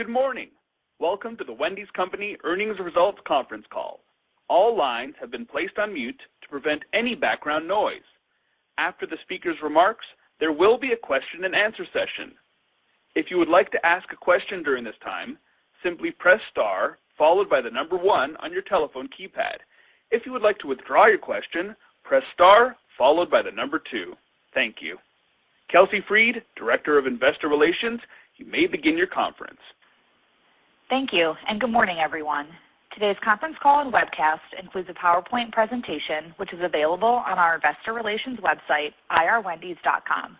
Good morning. Welcome to The Wendy's Company earnings results conference call. All lines have been placed on mute to prevent any background noise. After the speaker's remarks, there will be a question-and-answer session. If you would like to ask a question during this time, simply press star followed by one on your telephone keypad. If you would like to withdraw your question, press star followed by two. Thank you. Kelsey Freed, Director of Investor Relations, you may begin your conference. Thank you. Good morning, everyone. Today's conference call and webcast includes a PowerPoint presentation, which is available on our investor relations website, irwendys.com.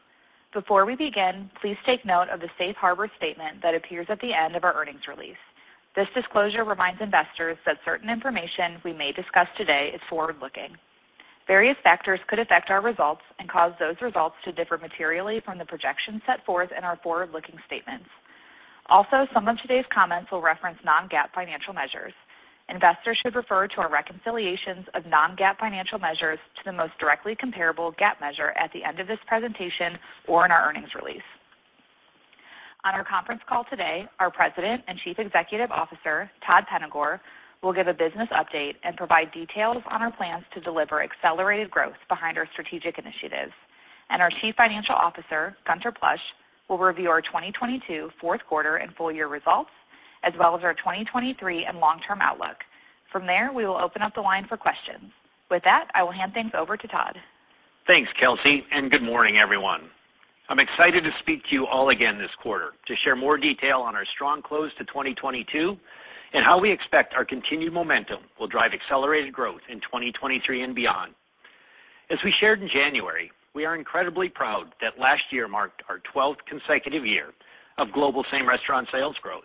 Before we begin, please take note of the safe harbor statement that appears at the end of our earnings release. This disclosure reminds investors that certain information we may discuss today is forward-looking. Various factors could affect our results and cause those results to differ materially from the projections set forth in our forward-looking statements. Also some of today's comments will reference non-GAAP financial measures. Investors should refer to our reconciliations of non-GAAP financial measures to the most directly comparable GAAP measure at the end of this presentation or in our earnings release. On our conference call today, our President and Chief Executive Officer, Todd Penegor, will give a business update and provide details on our plans to deliver accelerated growth behind our strategic initiatives. Our Chief Financial Officer, Gunther Plosch, will review our 2022 fourth quarter and full year results, as well as our 2023 and long-term outlook. From there, we will open up the line for questions. With that, I will hand things over to Todd. Thanks, Kelsey, and good morning, everyone. I'm excited to speak to you all again this quarter to share more detail on our strong close to 2022 and how we expect our continued momentum will drive accelerated growth in 2023 and beyond. As we shared in January, we are incredibly proud that last year marked our 12th consecutive year of global same restaurant sales growth.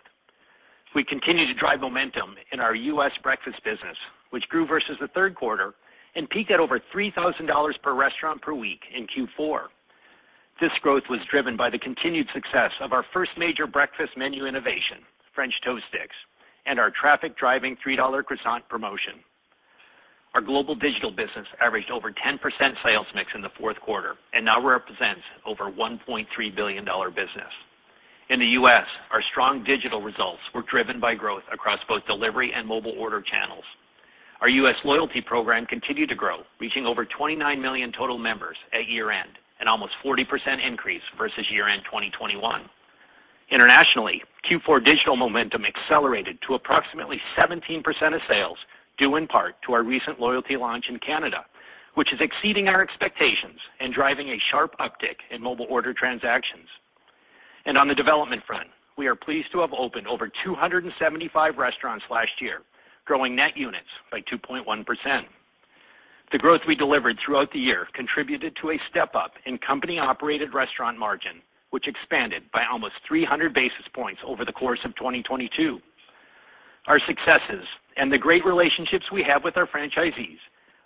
We continue to drive momentum in our U.S. breakfast business, which grew versus the third quarter and peaked at over $3,000 per restaurant per week in Q4. This growth was driven by the continued success of our first major breakfast menu innovation, French toast sticks, and our traffic driving $3 croissant promotion. Our global digital business averaged over 10% sales mix in the fourth quarter and now represents over $1.3 billion business. In the U.S., our strong digital results were driven by growth across both delivery and mobile order channels. Our U.S. loyalty program continued to grow, reaching over 29 million total members at year-end, an almost 40% increase versus year-end 2021. Internationally, Q4 digital momentum accelerated to approximately 17% of sales, due in part to our recent loyalty launch in Canada, which is exceeding our expectations and driving a sharp uptick in mobile order transactions. On the development front, we are pleased to have opened over 275 restaurants last year, growing net units by 2.1%. The growth we delivered throughout the year contributed to a step-up in company-operated restaurant margin, which expanded by almost 300 basis points over the course of 2022. Our successes and the great relationships we have with our franchisees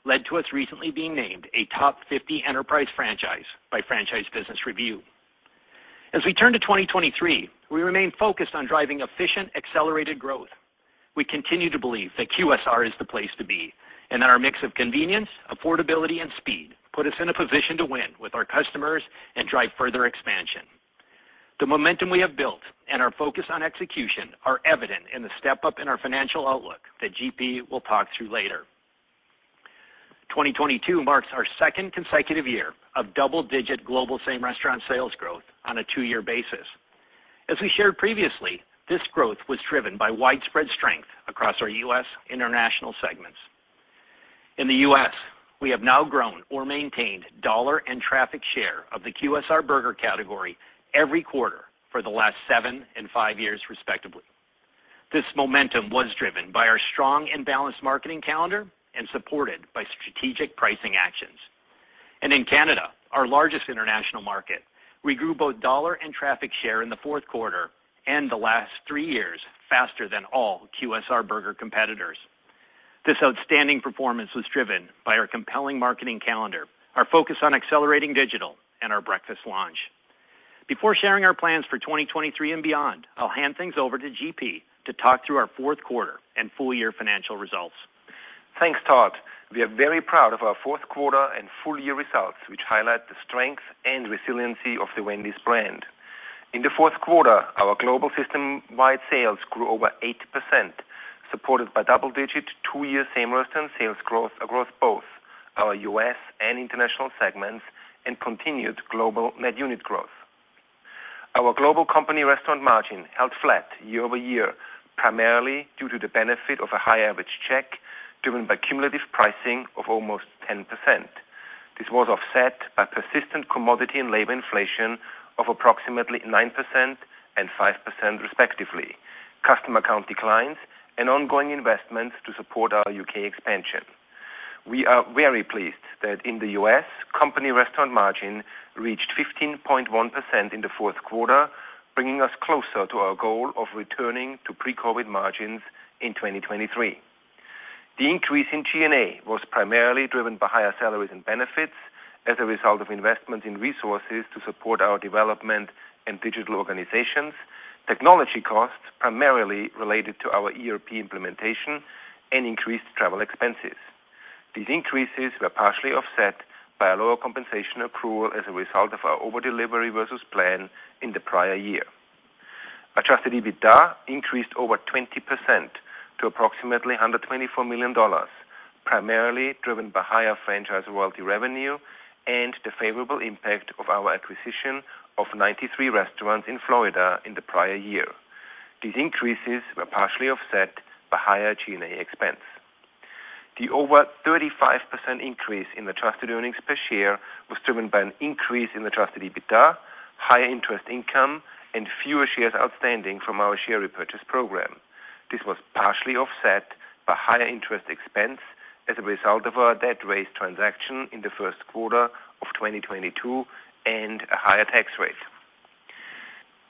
led to us recently being named a Top 50 Enterprise Franchise by Franchise Business Review. As we turn to 2023, we remain focused on driving efficient, accelerated growth. We continue to believe that QSR is the place to be and that our mix of convenience, affordability, and speed put us in a position to win with our customers and drive further expansion. The momentum we have built and our focus on execution are evident in the step-up in our financial outlook that GP will talk through later. 2022 marks our second consecutive year of double-digit global same restaurant sales growth on a two-year basis. As we shared previously, this growth was driven by widespread strength across our U.S. international segments. In the U.S., we have now grown or maintained dollar and traffic share of the QSR burger category every quarter for the last seven and five years, respectively. This momentum was driven by our strong and balanced marketing calendar and supported by strategic pricing actions. In Canada, our largest international market, we grew both dollar and traffic share in the fourth quarter and the last three years faster than all QSR burger competitors. This outstanding performance was driven by our compelling marketing calendar, our focus on accelerating digital, and our breakfast launch. Before sharing our plans for 2023 and beyond, I'll hand things over to GP to talk through our fourth quarter and full year financial results. Thanks, Todd. We are very proud of our fourth quarter and full year results, which highlight the strength and resiliency of the Wendy's brand. In the fourth quarter, our global system-wide sales grew over 80%, supported by double-digit, two-year same restaurant sales growth across both our U.S. and international segments and continued global net unit growth. Our global company restaurant margin held flat year-over-year, primarily due to the benefit of a high average check driven by cumulative pricing of almost 10%. This was offset by persistent commodity and labor inflation of approximately 9% and 5%, respectively, customer count declines, and ongoing investments to support our U.K. expansion. We are very pleased that in the U.S., company restaurant margin reached 15.1% in the fourth quarter, bringing us closer to our goal of returning to pre-COVID margins in 2023. The increase in G&A was primarily driven by higher salaries and benefits as a result of investments in resources to support our development and digital organizations, technology costs primarily related to our ERP implementation, and increased travel expenses. These increases were partially offset by a lower compensation accrual as a result of our over-delivery versus plan in the prior year. Adjusted EBITDA increased over 20% to approximately under $24 million, primarily driven by higher franchise royalty revenue and the favorable impact of our acquisition of 93 restaurants in Florida in the prior year. These increases were partially offset by higher G&A expense. The over 35% increase in adjusted earnings per share was driven by an increase in Adjusted EBITDA, higher interest income, and fewer shares outstanding from our share repurchase program. This was partially offset by higher interest expense as a result of our debt raise transaction in the first quarter of 2022 and a higher tax rate.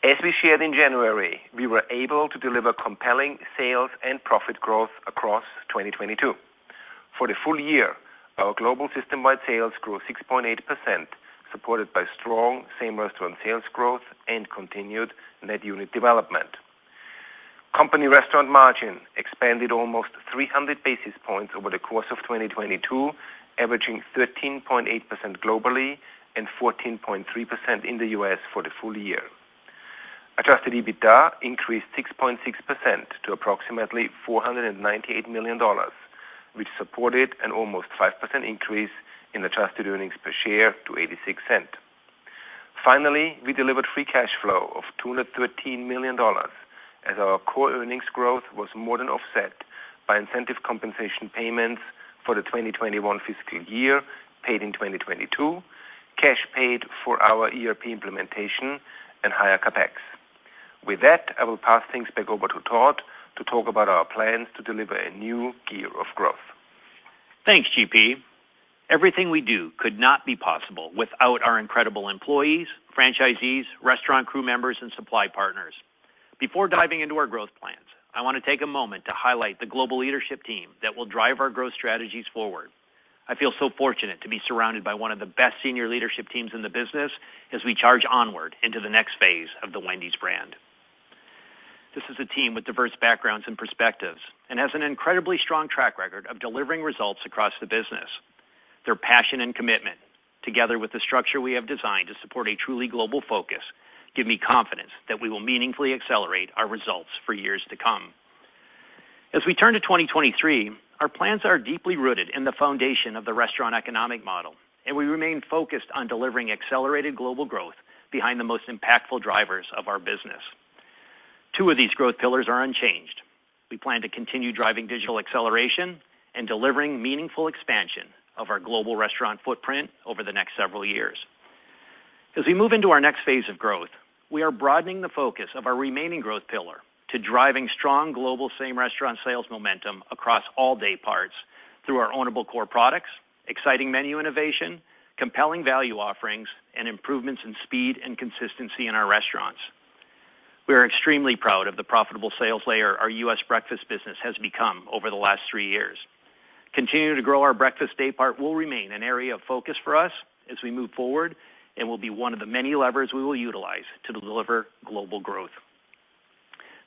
As we shared in January, we were able to deliver compelling sales and profit growth across 2022. For the full year, our global system-wide sales grew 6.8%, supported by strong same-restaurant sales growth and continued net unit development. Company restaurant margin expanded almost 300 basis points over the course of 2022, averaging 13.8% globally and 14.3% in the U.S. for the full year. Adjusted EBITDA increased 6.6% to approximately $498 million, which supported an almost 5% increase in adjusted earnings per share to $0.86. Finally, we delivered free cash flow of $213 million, as our core earnings growth was more than offset by incentive compensation payments for the 2021 fiscal year paid in 2022, cash paid for our ERP implementation, and higher CapEx. I will pass things back over to Todd to talk about our plans to deliver a new gear of growth. Thanks, GP. Everything we do could not be possible without our incredible employees, franchisees, restaurant crew members, and supply partners. Before diving into our growth plans, I want to take a moment to highlight the global leadership team that will drive our growth strategies forward. I feel so fortunate to be surrounded by one of the best senior leadership teams in the business as we charge onward into the next phase of the Wendy's brand. This is a team with diverse backgrounds and perspectives and has an incredibly strong track record of delivering results across the business. Their passion and commitment, together with the structure we have designed to support a truly global focus, give me confidence that we will meaningfully accelerate our results for years to come. As we turn to 2023, our plans are deeply rooted in the foundation of the restaurant economic model, and we remain focused on delivering accelerated global growth behind the most impactful drivers of our business. Two of these growth pillars are unchanged. We plan to continue driving digital acceleration and delivering meaningful expansion of our global restaurant footprint over the next several years. As we move into our next phase of growth, we are broadening the focus of our remaining growth pillar to driving strong global same restaurant sales momentum across all day parts through our ownable core products, exciting menu innovation, compelling value offerings, and improvements in speed and consistency in our restaurants. We are extremely proud of the profitable sales layer our U.S. breakfast business has become over the last three years. Continuing to grow our breakfast day part will remain an area of focus for us as we move forward and will be one of the many levers we will utilize to deliver global growth.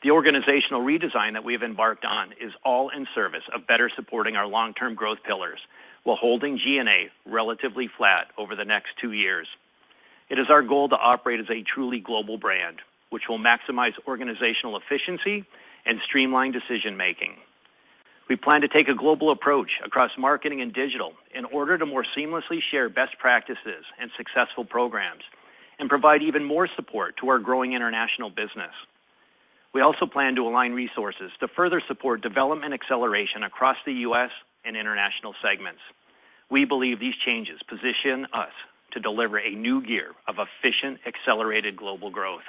The organizational redesign that we have embarked on is all in service of better supporting our long-term growth pillars while holding G&A relatively flat over the next two years. It is our goal to operate as a truly global brand, which will maximize organizational efficiency and streamline decision-making. We plan to take a global approach across marketing and digital in order to more seamlessly share best practices and successful programs and provide even more support to our growing international business. We also plan to align resources to further support development acceleration across the U.S. and international segments. We believe these changes position us to deliver a new gear of efficient, accelerated global growth.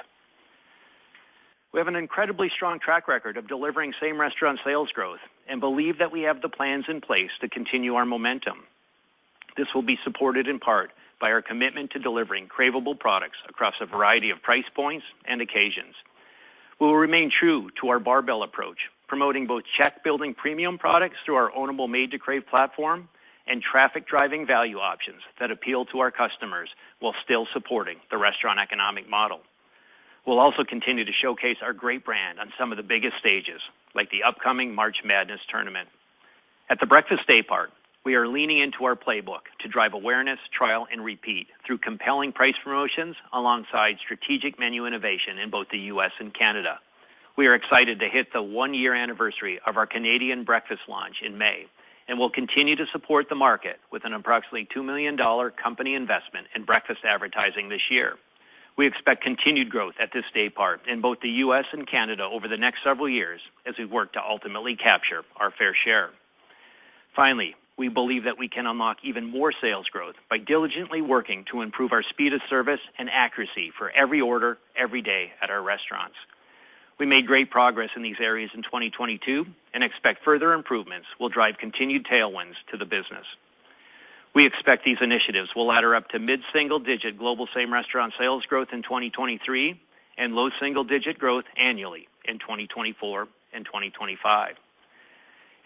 We have an incredibly strong track record of delivering same restaurant sales growth and believe that we have the plans in place to continue our momentum. This will be supported in part by our commitment to delivering craveable products across a variety of price points and occasions. We will remain true to our barbell approach, promoting both check-building premium products through our ownable Made to Crave platform and traffic-driving value options that appeal to our customers while still supporting the restaurant economic model. We'll also continue to showcase our great brand on some of the biggest stages, like the upcoming March Madness tournament. At the breakfast day part, we are leaning into our playbook to drive awareness, trial, and repeat through compelling price promotions alongside strategic menu innovation in both the U.S. and Canada. We are excited to hit the one-year anniversary of our Canadian breakfast launch in May and will continue to support the market with an approximately $2 million company investment in breakfast advertising this year. We expect continued growth at this day part in both the U.S. and Canada over the next several years as we work to ultimately capture our fair share. Finally, we believe that we can unlock even more sales growth by diligently working to improve our speed of service and accuracy for every order every day at our restaurants. We made great progress in these areas in 2022 and expect further improvements will drive continued tailwinds to the business. We expect these initiatives will ladder up to mid-single-digit global same restaurant sales growth in 2023 and low-single-digit growth annually in 2024 and 2025.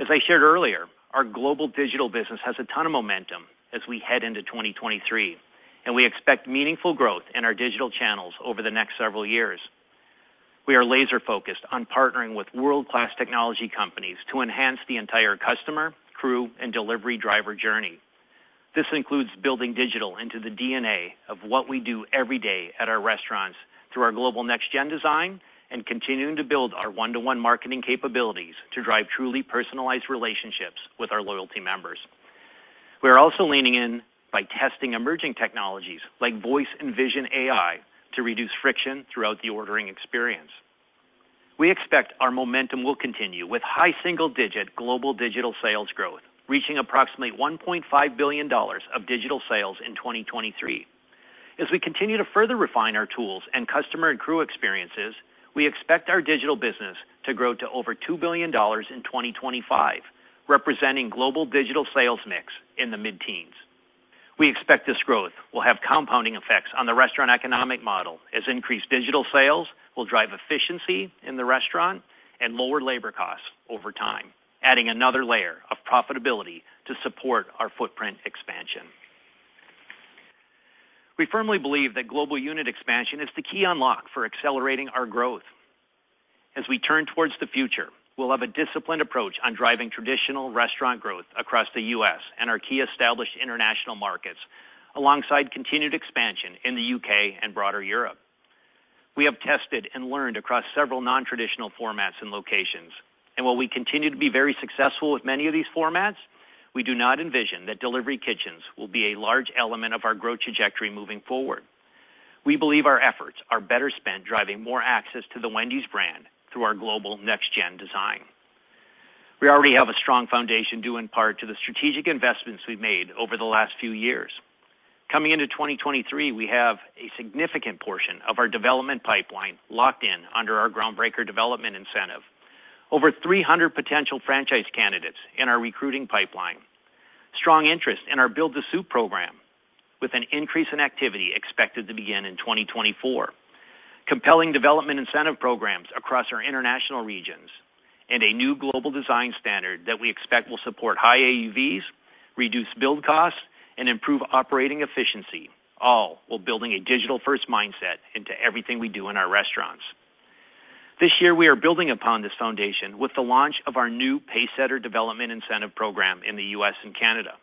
As I shared earlier, our global digital business has a ton of momentum as we head into 2023. We expect meaningful growth in our digital channels over the next several years. We are laser focused on partnering with world-class technology companies to enhance the entire customer, crew, and delivery driver journey. This includes building digital into the DNA of what we do every day at our restaurants through our Global Next Gen design and continuing to build our one-to-one marketing capabilities to drive truly personalized relationships with our loyalty members. We are also leaning in by testing emerging technologies like voice and vision AI to reduce friction throughout the ordering experience. We expect our momentum will continue with high single-digit global digital sales growth, reaching approximately $1.5 billion of digital sales in 2023. As we continue to further refine our tools and customer and crew experiences, we expect our digital business to grow to over $2 billion in 2025, representing global digital sales mix in the mid-teens. We expect this growth will have compounding effects on the restaurant economic model as increased digital sales will drive efficiency in the restaurant and lower labor costs over time, adding another layer of profitability to support our footprint expansion. We firmly believe that global unit expansion is the key unlock for accelerating our growth. As we turn towards the future, we'll have a disciplined approach on driving traditional restaurant growth across the U.S. and our key established international markets, alongside continued expansion in the U.K. and broader Europe. We have tested and learned across several non-traditional formats and locations, and while we continue to be very successful with many of these formats, we do not envision that delivery kitchens will be a large element of our growth trajectory moving forward. We believe our efforts are better spent driving more access to the Wendy's brand through our Global Next Gen design. We already have a strong foundation due in part to the strategic investments we've made over the last few years. Coming into 2023, we have a significant portion of our development pipeline locked in under our Groundbreaker development incentive. Over 300 potential franchise candidates in our recruiting pipeline. Strong interest in our Build to Suit program, with an increase in activity expected to begin in 2024. Compelling development incentive programs across our international regions and a new global design standard that we expect will support high AUVs, reduce build costs, and improve operating efficiency, all while building a digital-first mindset into everything we do in our restaurants. This year, we are building upon this foundation with the launch of our new Pacesetter development incentive program in the U.S. and Canada.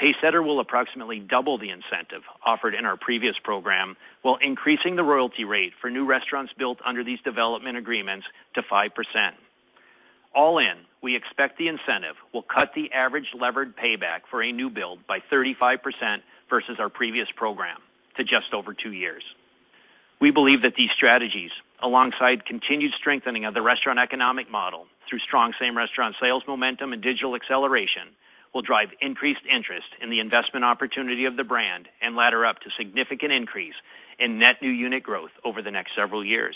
Pacesetter will approximately double the incentive offered in our previous program while increasing the royalty rate for new restaurants built under these development agreements to 5%. All in, we expect the incentive will cut the average levered payback for a new build by 35% versus our previous program to just over two years. We believe that these strategies, alongside continued strengthening of the restaurant economic model through strong same restaurant sales momentum and digital acceleration, will drive increased interest in the investment opportunity of the brand and ladder up to significant increase in net new unit growth over the next several years.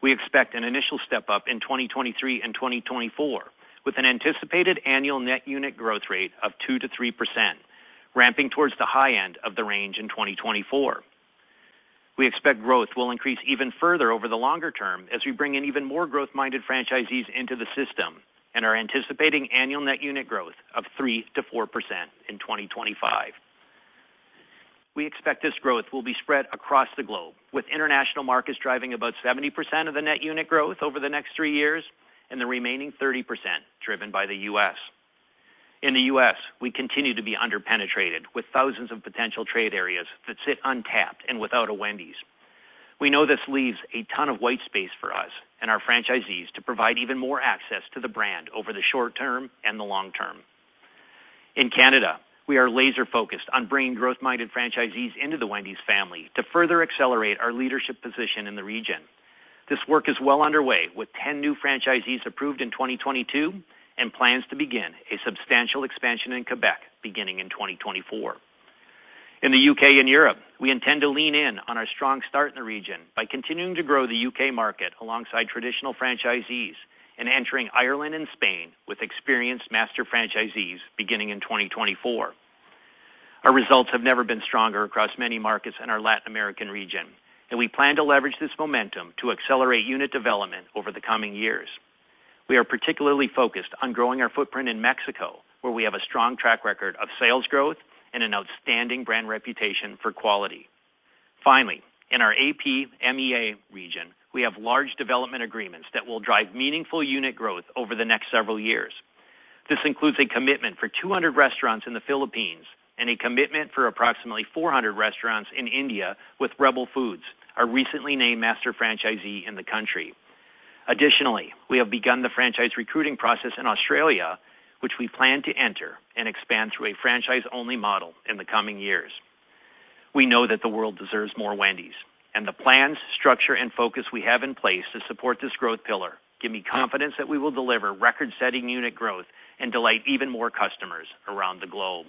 We expect an initial step-up in 2023 and 2024, with an anticipated annual net unit growth rate of 2%-3%, ramping towards the high end of the range in 2024. We expect growth will increase even further over the longer term as we bring in even more growth-minded franchisees into the system and are anticipating annual net unit growth of 3%-4% in 2025. We expect this growth will be spread across the globe, with international markets driving about 70% of the net unit growth over the next three years and the remaining 30% driven by the U.S. In the U.S., we continue to be under-penetrated, with thousands of potential trade areas that sit untapped and without a Wendy's. We know this leaves a ton of white space for us and our franchisees to provide even more access to the brand over the short term and the long term. In Canada, we are laser focused on bringing growth-minded franchisees into the Wendy's family to further accelerate our leadership position in the region. This work is well underway, with 10 new franchisees approved in 2022 and plans to begin a substantial expansion in Quebec beginning in 2024. In the U.K. and Europe, we intend to lean in on our strong start in the region by continuing to grow the U.K. market alongside traditional franchisees and entering Ireland and Spain with experienced master franchisees beginning in 2024. Our results have never been stronger across many markets in our Latin American region, and we plan to leverage this momentum to accelerate unit development over the coming years. We are particularly focused on growing our footprint in Mexico, where we have a strong track record of sales growth and an outstanding brand reputation for quality. Finally, in our APMEA region, we have large development agreements that will drive meaningful unit growth over the next several years. This includes a commitment for 200 restaurants in the Philippines and a commitment for approximately 400 restaurants in India with Rebel Foods, our recently named master franchisee in the country. Additionally, we have begun the franchise recruiting process in Australia, which we plan to enter and expand through a franchise-only model in the coming years. We know that the world deserves more Wendy's and the plans, structure, and focus we have in place to support this growth pillar give me confidence that we will deliver record-setting unit growth and delight even more customers around the globe.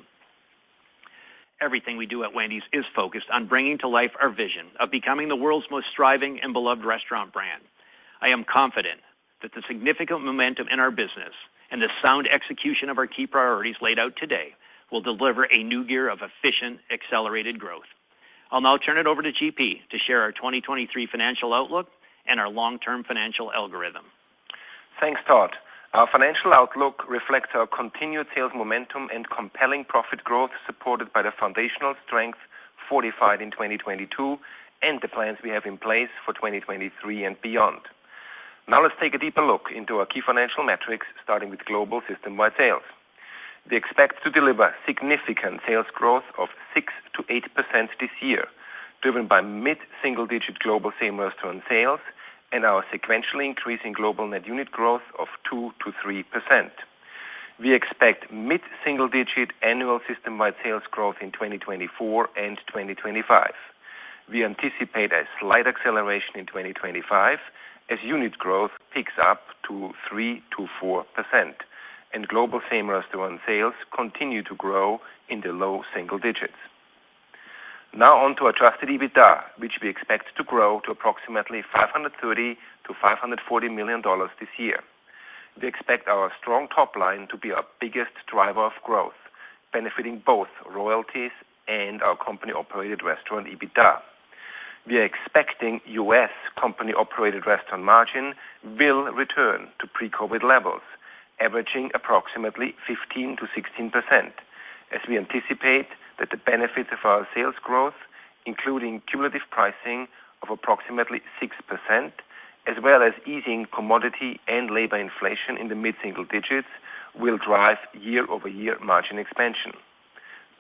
Everything we do at Wendy's is focused on bringing to life our vision of becoming the world's most thriving and beloved restaurant brand. I am confident that the significant momentum in our business and the sound execution of our key priorities laid out today will deliver a new gear of efficient, accelerated growth. I'll now turn it over to GP to share our 2023 financial outlook and our long-term financial algorithm. Thanks, Todd. Our financial outlook reflects our continued sales momentum and compelling profit growth supported by the foundational strength fortified in 2022 and the plans we have in place for 2023 and beyond. Now let's take a deeper look into our key financial metrics, starting with global system-wide sales. We expect to deliver significant sales growth of 6%-8% this year, driven by mid-single digit global same restaurant sales and our sequentially increasing global net unit growth of 2%-3%. We expect mid-single digit annual system-wide sales growth in 2024 and 2025. We anticipate a slight acceleration in 2025 as unit growth picks up to 3%-4%, and global same restaurant sales continue to grow in the low single digits. On to Adjusted EBITDA, which we expect to grow to approximately $530 million-$540 million this year. We expect our strong top line to be our biggest driver of growth, benefiting both royalties and our company-operated restaurant EBITDA. We are expecting U.S. company-operated restaurant margin will return to pre-COVID levels, averaging approximately 15%-16%, as we anticipate that the benefits of our sales growth, including cumulative pricing of approximately 6% as well as easing commodity and labor inflation in the mid-single digits, will drive year-over-year margin expansion.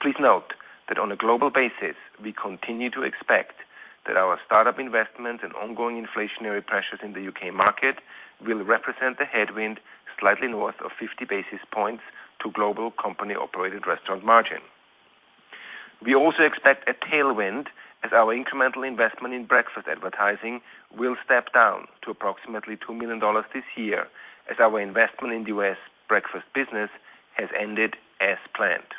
Please note that on a global basis, we continue to expect that our startup investment and ongoing inflationary pressures in the U.K. market will represent the headwind slightly north of 50 basis points to global company-operated restaurant margin. We also expect a tailwind as our incremental investment in breakfast advertising will step down to approximately $2 million this year as our investment in the U.S. breakfast business has ended as planned.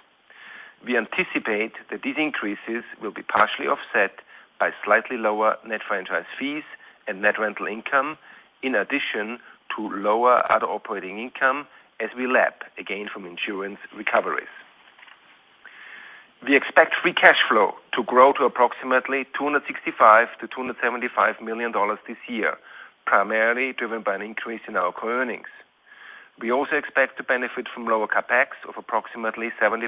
We anticipate that these increases will be partially offset by slightly lower net franchise fees and net rental income in addition to lower other operating income as we lap again from insurance recoveries. We expect free cash flow to grow to approximately $265 million-$275 million this year, primarily driven by an increase in our core earnings. We also expect to benefit from lower CapEx of approximately $75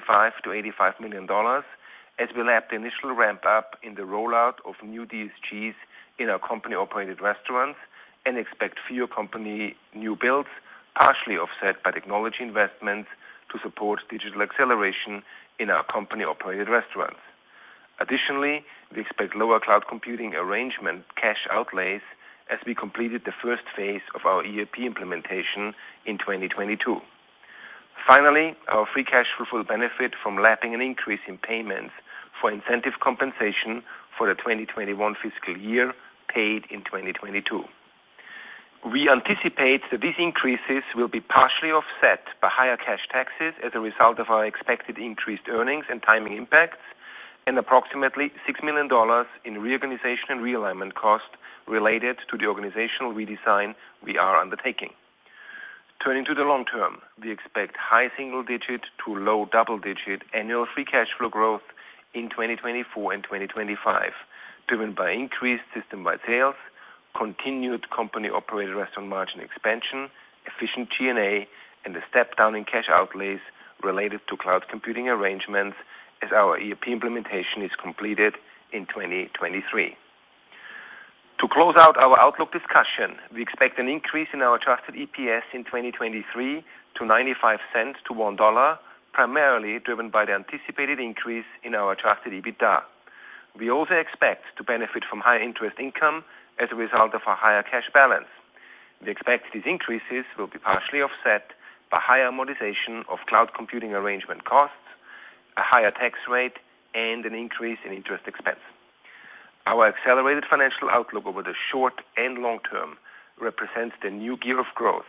million-$85 million as we lap the initial ramp up in the rollout of new DSGs in our company-operated restaurants and expect fewer company new builds, partially offset by technology investments to support digital acceleration in our company-operated restaurants. Additionally, we expect lower cloud computing arrangement cash outlays as we completed the first phase of our ERP implementation in 2022. Our free cash flow will benefit from lapping an increase in payments for incentive compensation for the 2021 fiscal year paid in 2022. We anticipate that these increases will be partially offset by higher cash taxes as a result of our expected increased earnings and timing impacts and approximately $6 million in reorganization and realignment costs related to the organizational redesign we are undertaking. Turning to the long term, we expect high single digit to low double-digit annual free cash flow growth in 2024 and 2025, driven by increased system-wide sales, continued company-operated restaurant margin expansion, efficient G&A, and a step down in cash outlays related to cloud computing arrangements as our ERP implementation is completed in 2023. To close out our outlook discussion, we expect an increase in our Adjusted EPS in 2023 to $0.95-$1.00, primarily driven by the anticipated increase in our Adjusted EBITDA. We also expect to benefit from higher interest income as a result of a higher cash balance. We expect these increases will be partially offset by higher amortization of cloud computing arrangement costs, a higher tax rate, and an increase in interest expense. Our accelerated financial outlook over the short and long term represents the new gear of growth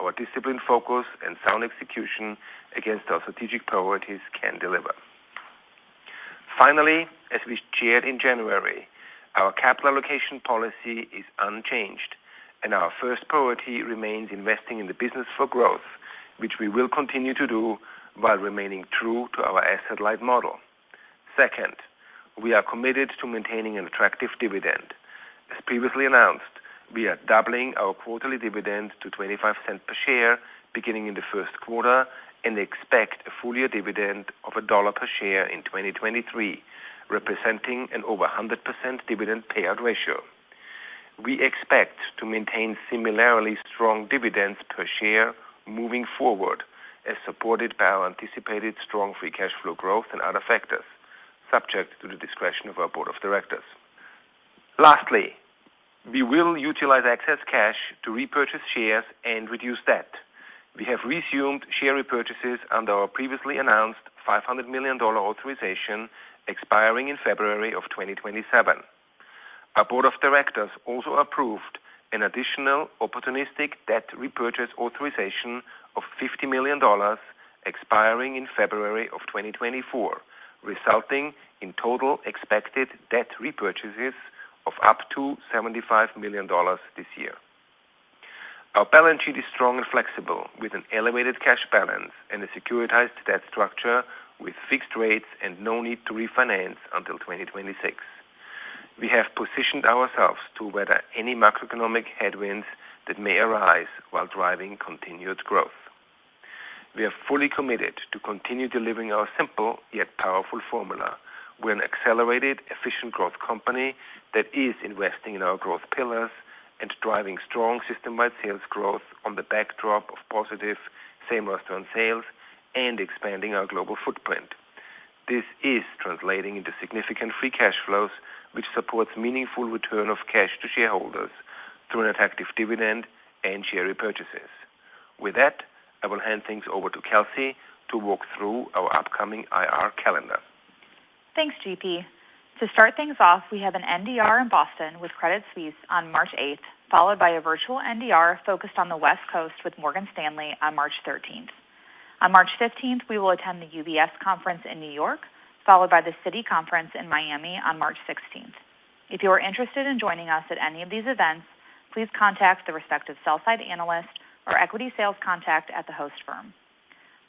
our disciplined focus and sound execution against our strategic priorities can deliver. Finally, as we shared in January, our capital allocation policy is unchanged, and our first priority remains investing in the business for growth, which we will continue to do while remaining true to our asset-light model. Second, we are committed to maintaining an attractive dividend. As previously announced, we are doubling our quarterly dividend to $0.25 per share beginning in the first quarter and expect a full year dividend of $1 per share in 2023, representing an over 100% dividend payout ratio. We expect to maintain similarly strong dividends per share moving forward, as supported by our anticipated strong free cash flow growth and other factors, subject to the discretion of our Board of Directors. Lastly, we will utilize excess cash to repurchase shares and reduce debt. We have resumed share repurchases under our previously announced $500 million authorization expiring in February of 2027. Our Board of Directors also approved an additional opportunistic debt repurchase authorization of $50 million expiring in February of 2024, resulting in total expected debt repurchases of up to $75 million this year. Our balance sheet is strong and flexible, with an elevated cash balance and a securitized debt structure with fixed rates and no need to refinance until 2026. We have positioned ourselves to weather any macroeconomic headwinds that may arise while driving continued growth. We are fully committed to continue delivering our simple yet powerful formula. We're an accelerated efficient growth company that is investing in our growth pillars and driving strong system-wide sales growth on the backdrop of positive same-restaurant sales and expanding our global footprint. This is translating into significant free cash flows, which supports meaningful return of cash to shareholders through an attractive dividend and share repurchases. With that, I will hand things over to Kelsey to walk through our upcoming IR calendar. Thanks, GP. To start things off, we have an NDR in Boston with Credit Suisse on March 8th, followed by a virtual NDR focused on the West Coast with Morgan Stanley on March 13th. On March 15th, we will attend the UBS conference in New York, followed by the Citi conference in Miami on March 16th. If you are interested in joining us at any of these events, please contact the respective sell side analyst or equity sales contact at the host firm.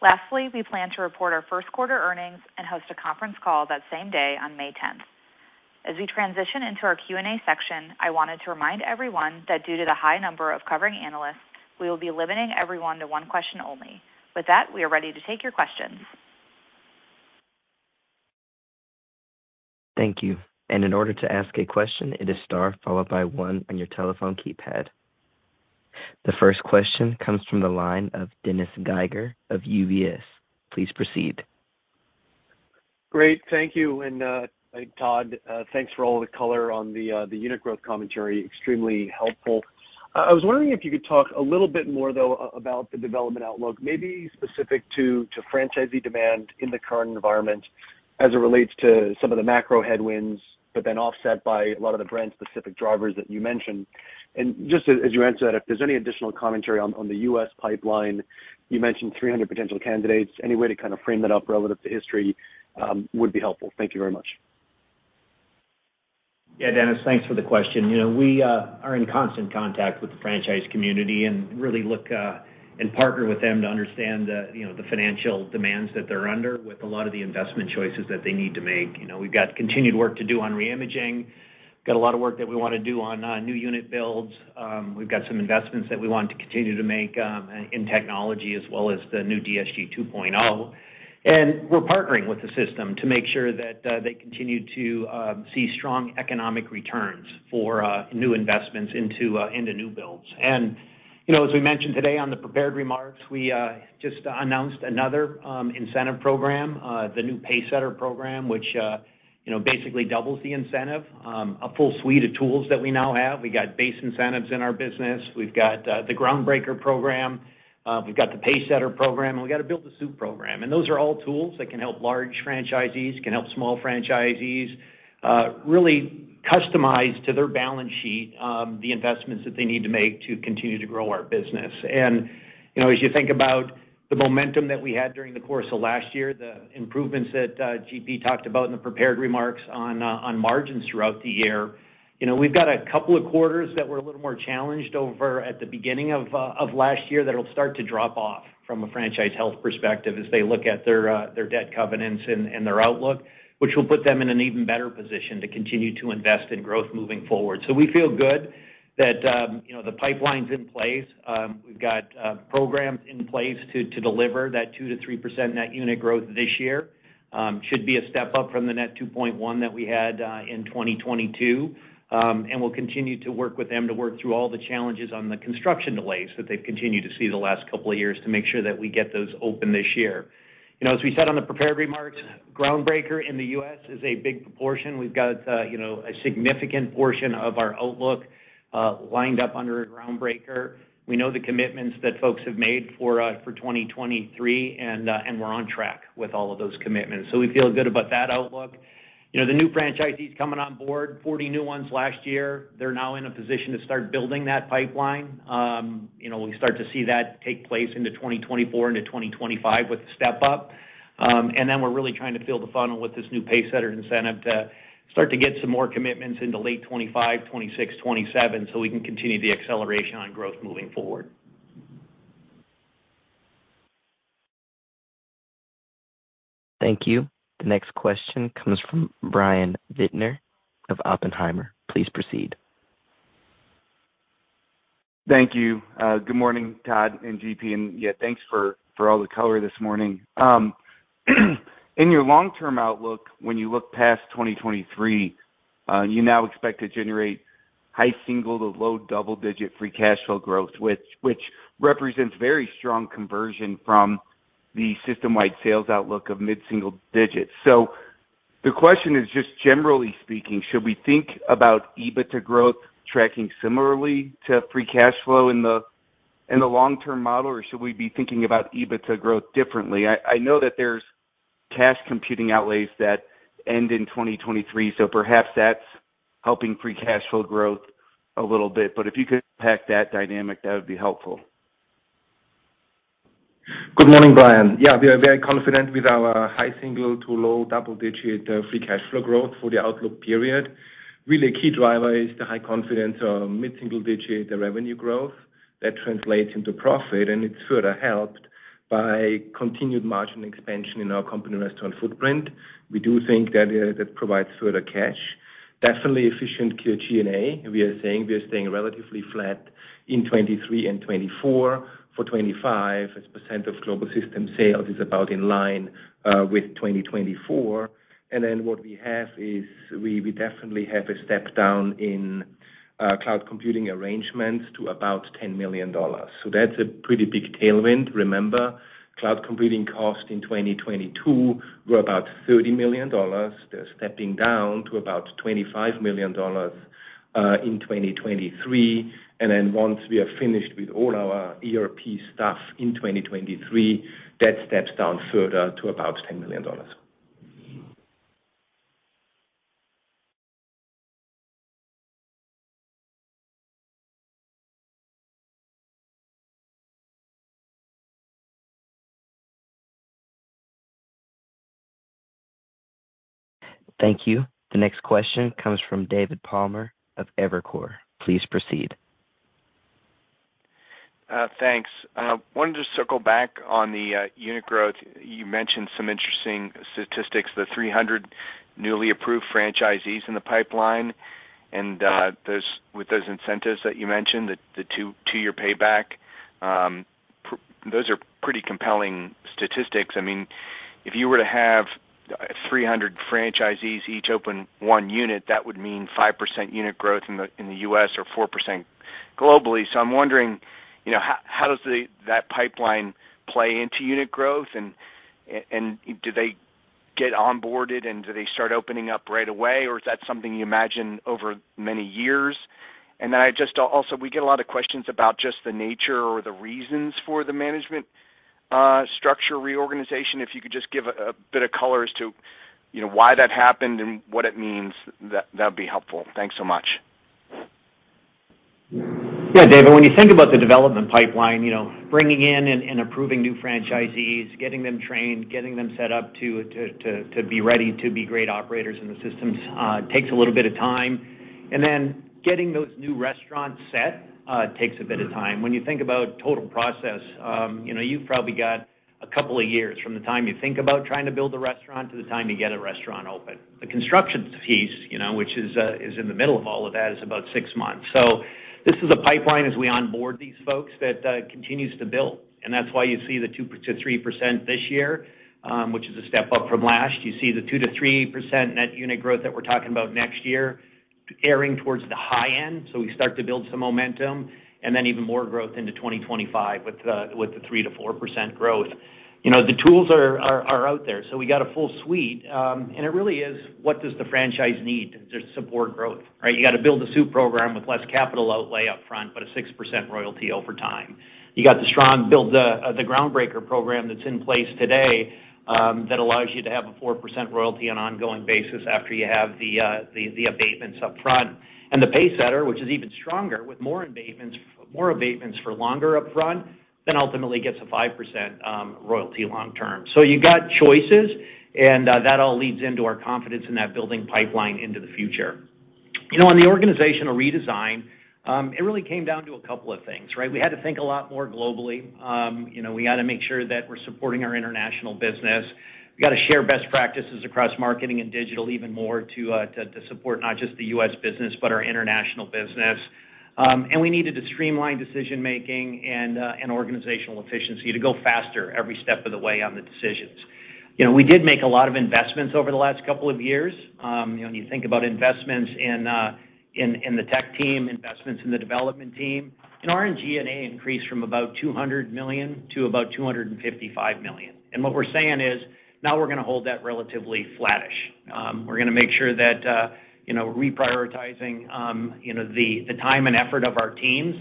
Lastly, we plan to report our first quarter earnings and host a conference call that same day on May 10th. As we transition into our Q&A section, I wanted to remind everyone that due to the high number of covering analysts, we will be limiting everyone to one question only. With that, we are ready to take your questions. Thank you. In order to ask a question, it is star followed by one on your telephone keypad. The first question comes from the line of Dennis Geiger of UBS. Please proceed. Great. Thank you. Todd, thanks for all the color on the unit growth commentary. Extremely helpful. I was wondering if you could talk a little bit more though about the development outlook, maybe specific to franchisee demand in the current environment as it relates to some of the macro headwinds, but then offset by a lot of the brand specific drivers that you mentioned. Just as you answer that, if there's any additional commentary on the U.S. pipeline. You mentioned 300 potential candidates. Any way to kind of frame that up relative to history, would be helpful. Thank you very much. Yeah. Dennis, thanks for the question. You know, we are in constant contact with the franchise community and really look and partner with them to understand the, you know, the financial demands that they're under with a lot of the investment choices that they need to make. You know, we've got continued work to do on reimaging, got a lot of work that we wanna do on new unit builds. We've got some investments that we want to continue to make in technology as well as the new DSG 2.0. We're partnering with the system to make sure that they continue to see strong economic returns for new investments into new builds. You know, as we mentioned today on the prepared remarks, we just announced another incentive program, the new Pacesetter program, which, you know, basically doubles the incentive. A full suite of tools that we now have. We got base incentives in our business. We've got the Groundbreaker program, we've got the Pacesetter program, and we've got a Build to Suit program. Those are all tools that can help large franchisees, can help small franchisees, really customize to their balance sheet, the investments that they need to make to continue to grow our business. You know, as you think about the momentum that we had during the course of last year, the improvements that GP talked about in the prepared remarks on margins throughout the year, you know, we've got a couple of quarters that were a little more challenged over at the beginning of last year that'll start to drop off from a franchise health perspective as they look at their debt covenants and their outlook, which will put them in an even better position to continue to invest in growth moving forward. We feel good that, you know, the pipeline's in place. We've got programs in place to deliver that 2%-3% net unit growth this year. Should be a step up from the net 2.1 that we had in 2022. We'll continue to work with them to work through all the challenges on the construction delays that they've continued to see the last couple of years to make sure that we get those open this year. You know, as we said on the prepared remarks, Groundbreaker in the U.S. is a big proportion. We've got, you know, a significant portion of our outlook lined up under Groundbreaker. We know the commitments that folks have made for 2023, and we're on track with all of those commitments. So we feel good about that outlook. You know, the new franchisees coming on board, 40 new ones last year, they're now in a position to start building that pipeline. You know, we start to see that take place into 2024 into 2025 with the step up. We're really trying to fill the funnel with this new Pacesetter incentive to start to get some more commitments into late 2025, 2026, 2027, so we can continue the acceleration on growth moving forward. Thank you. The next question comes from Brian Bittner of Oppenheimer. Please proceed. Thank you. Good morning, Todd and GP, thanks for all the color this morning. In your long-term outlook, when you look past 2023, you now expect to generate high single- to low double-digit free cash flow growth, which represents very strong conversion from the system-wide sales outlook of mid-single-digits. The question is, just generally speaking, should we think about EBITDA growth tracking similarly to free cash flow in the long term model, or should we be thinking about EBITDA growth differently? I know that there's cash computing outlays that end in 2023, perhaps that's helping free cash flow growth a little bit. If you could unpack that dynamic, that would be helpful. Good morning, Brian. Yeah, we are very confident with our high single-digit to low double-digit free cash flow growth for the outlook period. Really key driver is the high confidence of mid-single-digit, the revenue growth that translates into profit, and it's further helped by continued margin expansion in our company restaurant footprint. We do think that provides further cash. Definitely efficient G&A. We are saying we are staying relatively flat in 2023 and 2024. For 2025, as a percent of global system sales is about in line with 2024. What we have is we definitely have a step down in cloud computing arrangements to about $10 million. That's a pretty big tailwind. Remember, cloud computing costs in 2022 were about $30 million. They're stepping down to about $25 million in 2023. Once we are finished with all our ERP stuff in 2023, that steps down further to about $10 million. Thank you. The next question comes from David Palmer of Evercore. Please proceed. Thanks. Wanted to circle back on the unit growth. You mentioned some interesting statistics, the 300 newly approved franchisees in the pipeline, with those incentives that you mentioned, the two-year payback, those are pretty compelling statistics. I mean, if you were to have 300 franchisees each open one unit, that would mean 5% unit growth in the U.S. or 4% globally. I'm wondering, you know, how does the, that pipeline play into unit growth? Do they get onboarded, and do they start opening up right away, or is that something you imagine over many years? Also, we get a lot of questions about just the nature or the reasons for the management structure reorganization. If you could just give a bit of color as to, you know, why that happened and what it means, that'd be helpful. Thanks so much. Yeah, David, when you think about the development pipeline, you know, bringing in and approving new franchisees, getting them trained, getting them set up to be ready to be great operators in the systems, takes a little bit of time. Then getting those new restaurants set, takes a bit of time. When you think about total process, you know, you've probably got a couple of years from the time you think about trying to build a restaurant to the time you get a restaurant open. The construction piece, you know, which is in the middle of all of that, is about six months. This is a pipeline as we onboard these folks that continues to build, and that's why you see the 2%-3% this year, which is a step up from last. You see the 2%-3% net unit growth that we're talking about next year airing towards the high end, so we start to build some momentum, and then even more growth into 2025 with the 3%-4% growth. You know, the tools are out there, so we got a full suite. It really is, what does the franchise need to support growth, right? You gotta build a sub program with less capital outlay upfront, but a 6% royalty over time. You got the strong build, the Groundbreaker program that's in place today, that allows you to have a 4% royalty on ongoing basis after you have the abatements upfront. The Pacesetter, which is even stronger with more abatements, more abatements for longer upfront, then ultimately gets a 5% royalty long term. You got choices, and that all leads into our confidence in that building pipeline into the future. You know, on the organizational redesign, it really came down to a couple of things, right? We had to think a lot more globally. You know, we gotta make sure that we're supporting our international business. We gotta share best practices across marketing and digital even more to support not just the U.S. business, but our international business. We needed to streamline decision-making and organizational efficiency to go faster every step of the way on the decisions. You know, we did make a lot of investments over the last couple of years. You know, when you think about investments in the tech team, investments in the development team. Our G&A increased from about $200 million to about $255 million. What we're saying is, now we're gonna hold that relatively flattish. We're gonna make sure that, you know, reprioritizing, you know, the time and effort of our teams,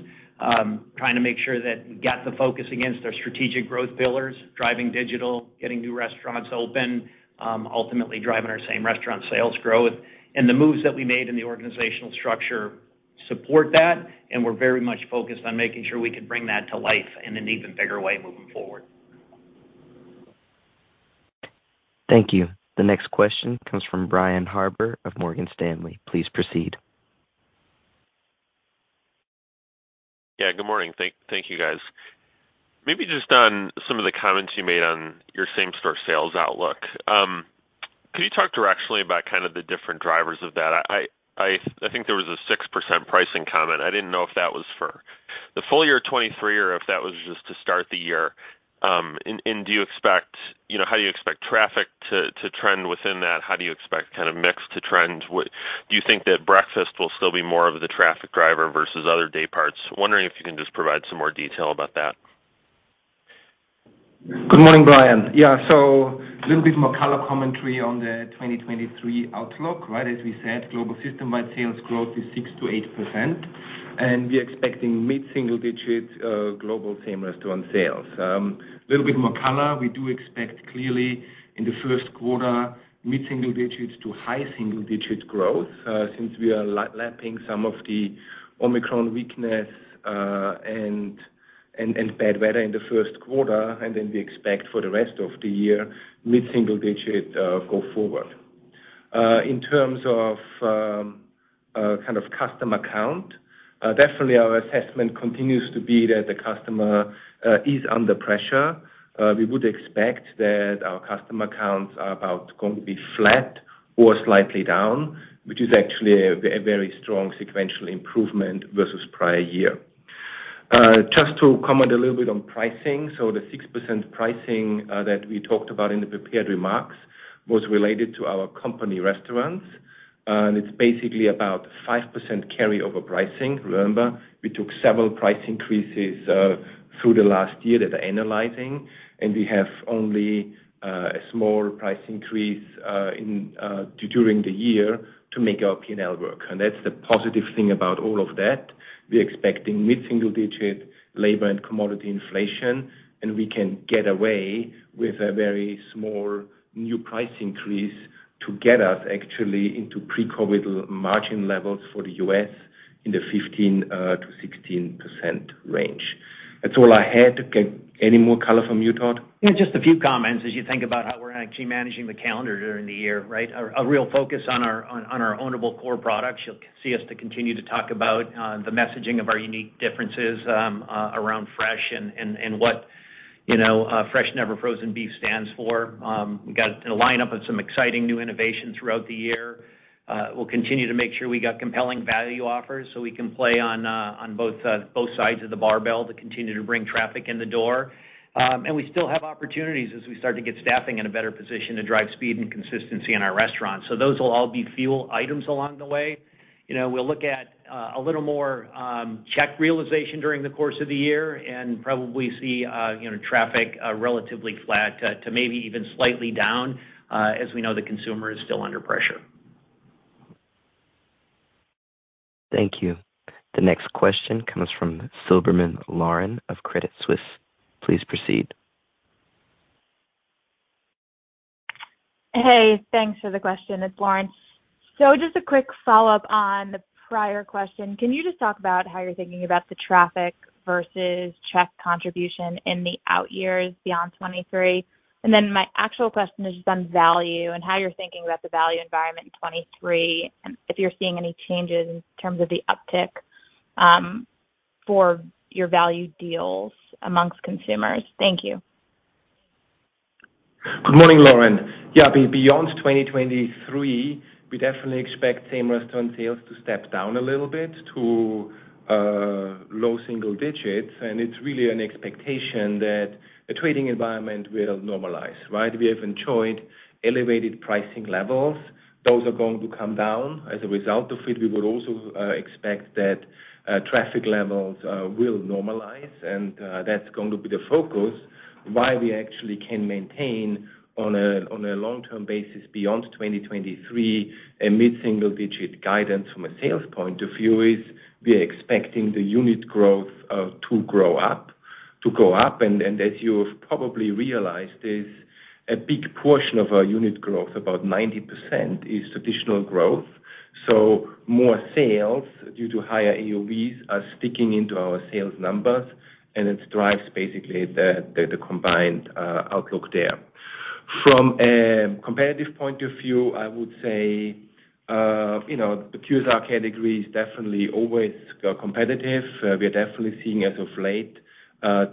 trying to make sure that we got the focus against our strategic growth pillars, driving digital, getting new restaurants open, ultimately driving our same-restaurant sales growth. The moves that we made in the organizational structure support that, and we're very much focused on making sure we can bring that to life in an even bigger way moving forward. Thank you. The next question comes from Brian Harbour of Morgan Stanley. Please proceed. Yeah, good morning. Thank you, guys. Maybe just on some of the comments you made on your same-store sales outlook. Can you talk directionally about kind of the different drivers of that? I think there was a 6% pricing comment. I didn't know if that was for the full year 2023 or if that was just to start the year. You know, how do you expect traffic to trend within that? How do you expect kind of mix to trend? Do you think that breakfast will still be more of the traffic driver versus other day parts? Wondering if you can just provide some more detail about that. Good morning, Brian. Yeah, a little bit more color commentary on the 2023 outlook, right? As we said, global system-wide sales growth is 6%-8%, we're expecting mid-single digit global same-restaurant sales. A little bit more color, we do expect clearly in the first quarter mid-single digits to high single-digit growth, since we are lapping some of the Omicron weakness and bad weather in the first quarter. We expect for the rest of the year mid-single digit go forward. In terms of kind of customer count, definitely our assessment continues to be that the customer is under pressure. We would expect that our customer counts are about going to be flat or slightly down, which is actually a very strong sequential improvement versus prior year. Just to comment a little bit on pricing. The 6% pricing that we talked about in the prepared remarks was related to our company restaurants, and it's basically about 5% carryover pricing. Remember, we took several price increases through the last year that are annualizing, and we have only a small price increase in during the year to make our P&L work. That's the positive thing about all of that. We're expecting mid-single digit labor and commodity inflation, and we can get away with a very small new price increase to get us actually into pre-COVID margin levels for the U.S. in the 15%-16% range. That's all I had. Any more color from you, Todd? Yeah, just a few comments as you think about how we're actually managing the calendar during the year, right? A real focus on our ownable core products. You'll see us to continue to talk about the messaging of our unique differences around fresh and what, you know, fresh never frozen beef stands for. We got a lineup of some exciting new innovations throughout the year. We'll continue to make sure we got compelling value offers, so we can play on both sides of the barbell to continue to bring traffic in the door and we still have opportunities as we start to get staffing in a better position to drive speed and consistency in our restaurants. Those will all be fuel items along the way. You know, we'll look at, a little more, check realization during the course of the year and probably see, you know, traffic, relatively flat to maybe even slightly down, as we know, the consumer is still under pressure. Thank you. The next question comes from Lauren Silberman of Credit Suisse. Please proceed. Hey, thanks for the question. It's Lauren. Just a quick follow-up on the prior question. Can you just talk about how you're thinking about the traffic versus check contribution in the out years beyond 23? My actual question is just on value and how you're thinking about the value environment in 23, and if you're seeing any changes in terms of the uptick for your value deals amongst consumers. Thank you. Good morning, Lauren. Beyond 2023, we definitely expect same restaurant sales to step down a little bit to low single digits, and it's really an expectation that the trading environment will normalize, right? We have enjoyed elevated pricing levels. Those are going to come down. As a result of it, we would also expect that traffic levels will normalize, and that's going to be the focus. Why we actually can maintain on a long-term basis beyond 2023 a mid-single digit guidance from a sales point of view is we're expecting the unit growth to grow up, to go up. As you've probably realized, is a big portion of our unit growth, about 90% is traditional growth. More sales due to higher AUVs are sticking into our sales numbers, and it drives basically the combined outlook there. From a comparative point of view, I would say, you know, the QSR category is definitely always competitive. We are definitely seeing as of late,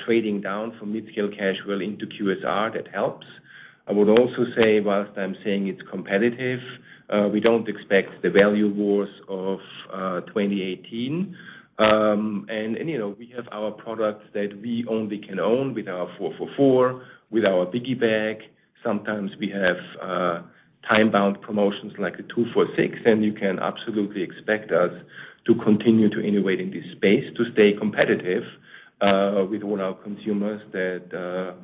trading down from midscale casual into QSR. That helps. I would also say, whilst I'm saying it's competitive, we don't expect the value wars of 2018 and you know, we have our products that we only can own with our four for $4, with our Biggie Bag. Sometimes we have time-bound promotions like a two for $6, and you can absolutely expect us to continue to innovate in this space to stay competitive with all our consumers that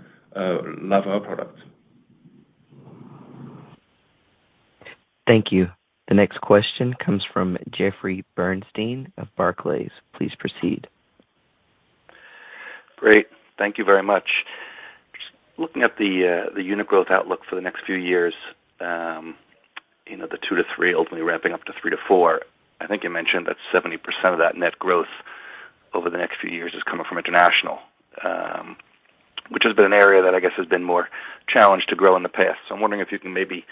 love our products. Thank you. The next question comes from Jeffrey Bernstein of Barclays. Please proceed. Great. Thank you very much. Just looking at the unit growth outlook for the next few years, you know, the 2-3 ultimately ramping up to 3-4. I think you mentioned that 70% of that net growth over the next few years is coming from international, which has been an area that I guess has been more challenged to grow in the past. I'm wondering if you can maybe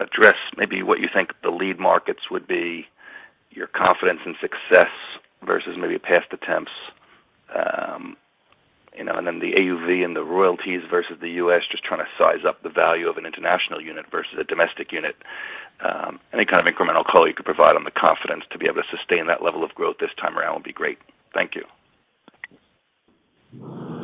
address maybe what you think the lead markets would be, your confidence in success versus maybe past attempts, you know, and then the AUV and the royalties versus the U.S., just trying to size up the value of an international unit versus a domestic unit. Any kind of incremental color you could provide on the confidence to be able to sustain that level of growth this time around would be great. Thank you.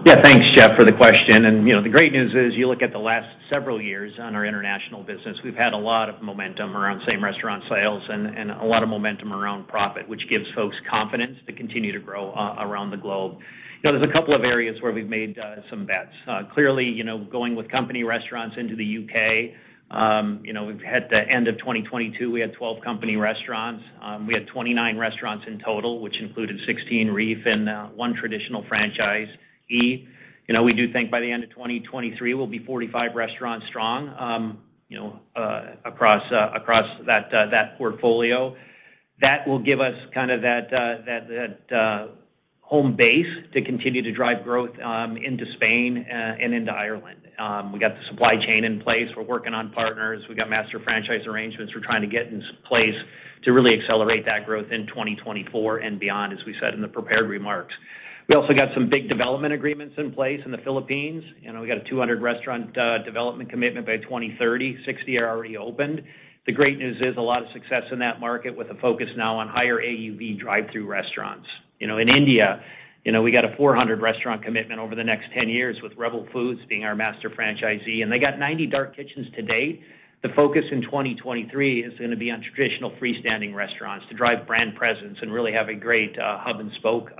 Yeah, thanks, Jeff, for the question. You know, the great news is you look at the last several years on our international business, we've had a lot of momentum around same restaurant sales and a lot of momentum around profit, which gives folks confidence to continue to grow around the globe. You know, there's a couple of areas where we've made some bets. Clearly, you know, going with company restaurants into the U.K., you know, at the end of 2022, we had 12 company restaurants. We had 29 restaurants in total, which included 16 Reef and one traditional franchisee. You know, we do think by the end of 2023, we'll be 45 restaurants strong, across that portfolio. That will give us kind of that home base to continue to drive growth into Spain and into Ireland. We got the supply chain in place. We're working on partners. We got master franchise arrangements we're trying to get in place to really accelerate that growth in 2024 and beyond, as we said in the prepared remarks. We also got some big development agreements in place in the Philippines, you know, we got a 200 restaurant development commitment by 2030, 60 are already opened. The great news is a lot of success in that market with a focus now on higher AUV drive-thru restaurants. In India, you know, we got a 400 restaurant commitment over the next 10 years with Rebel Foods being our master franchisee, and they got 90 dark kitchens to-date. The focus in 2023 is gonna be on traditional freestanding restaurants to drive brand presence and really have a great hub and spoke,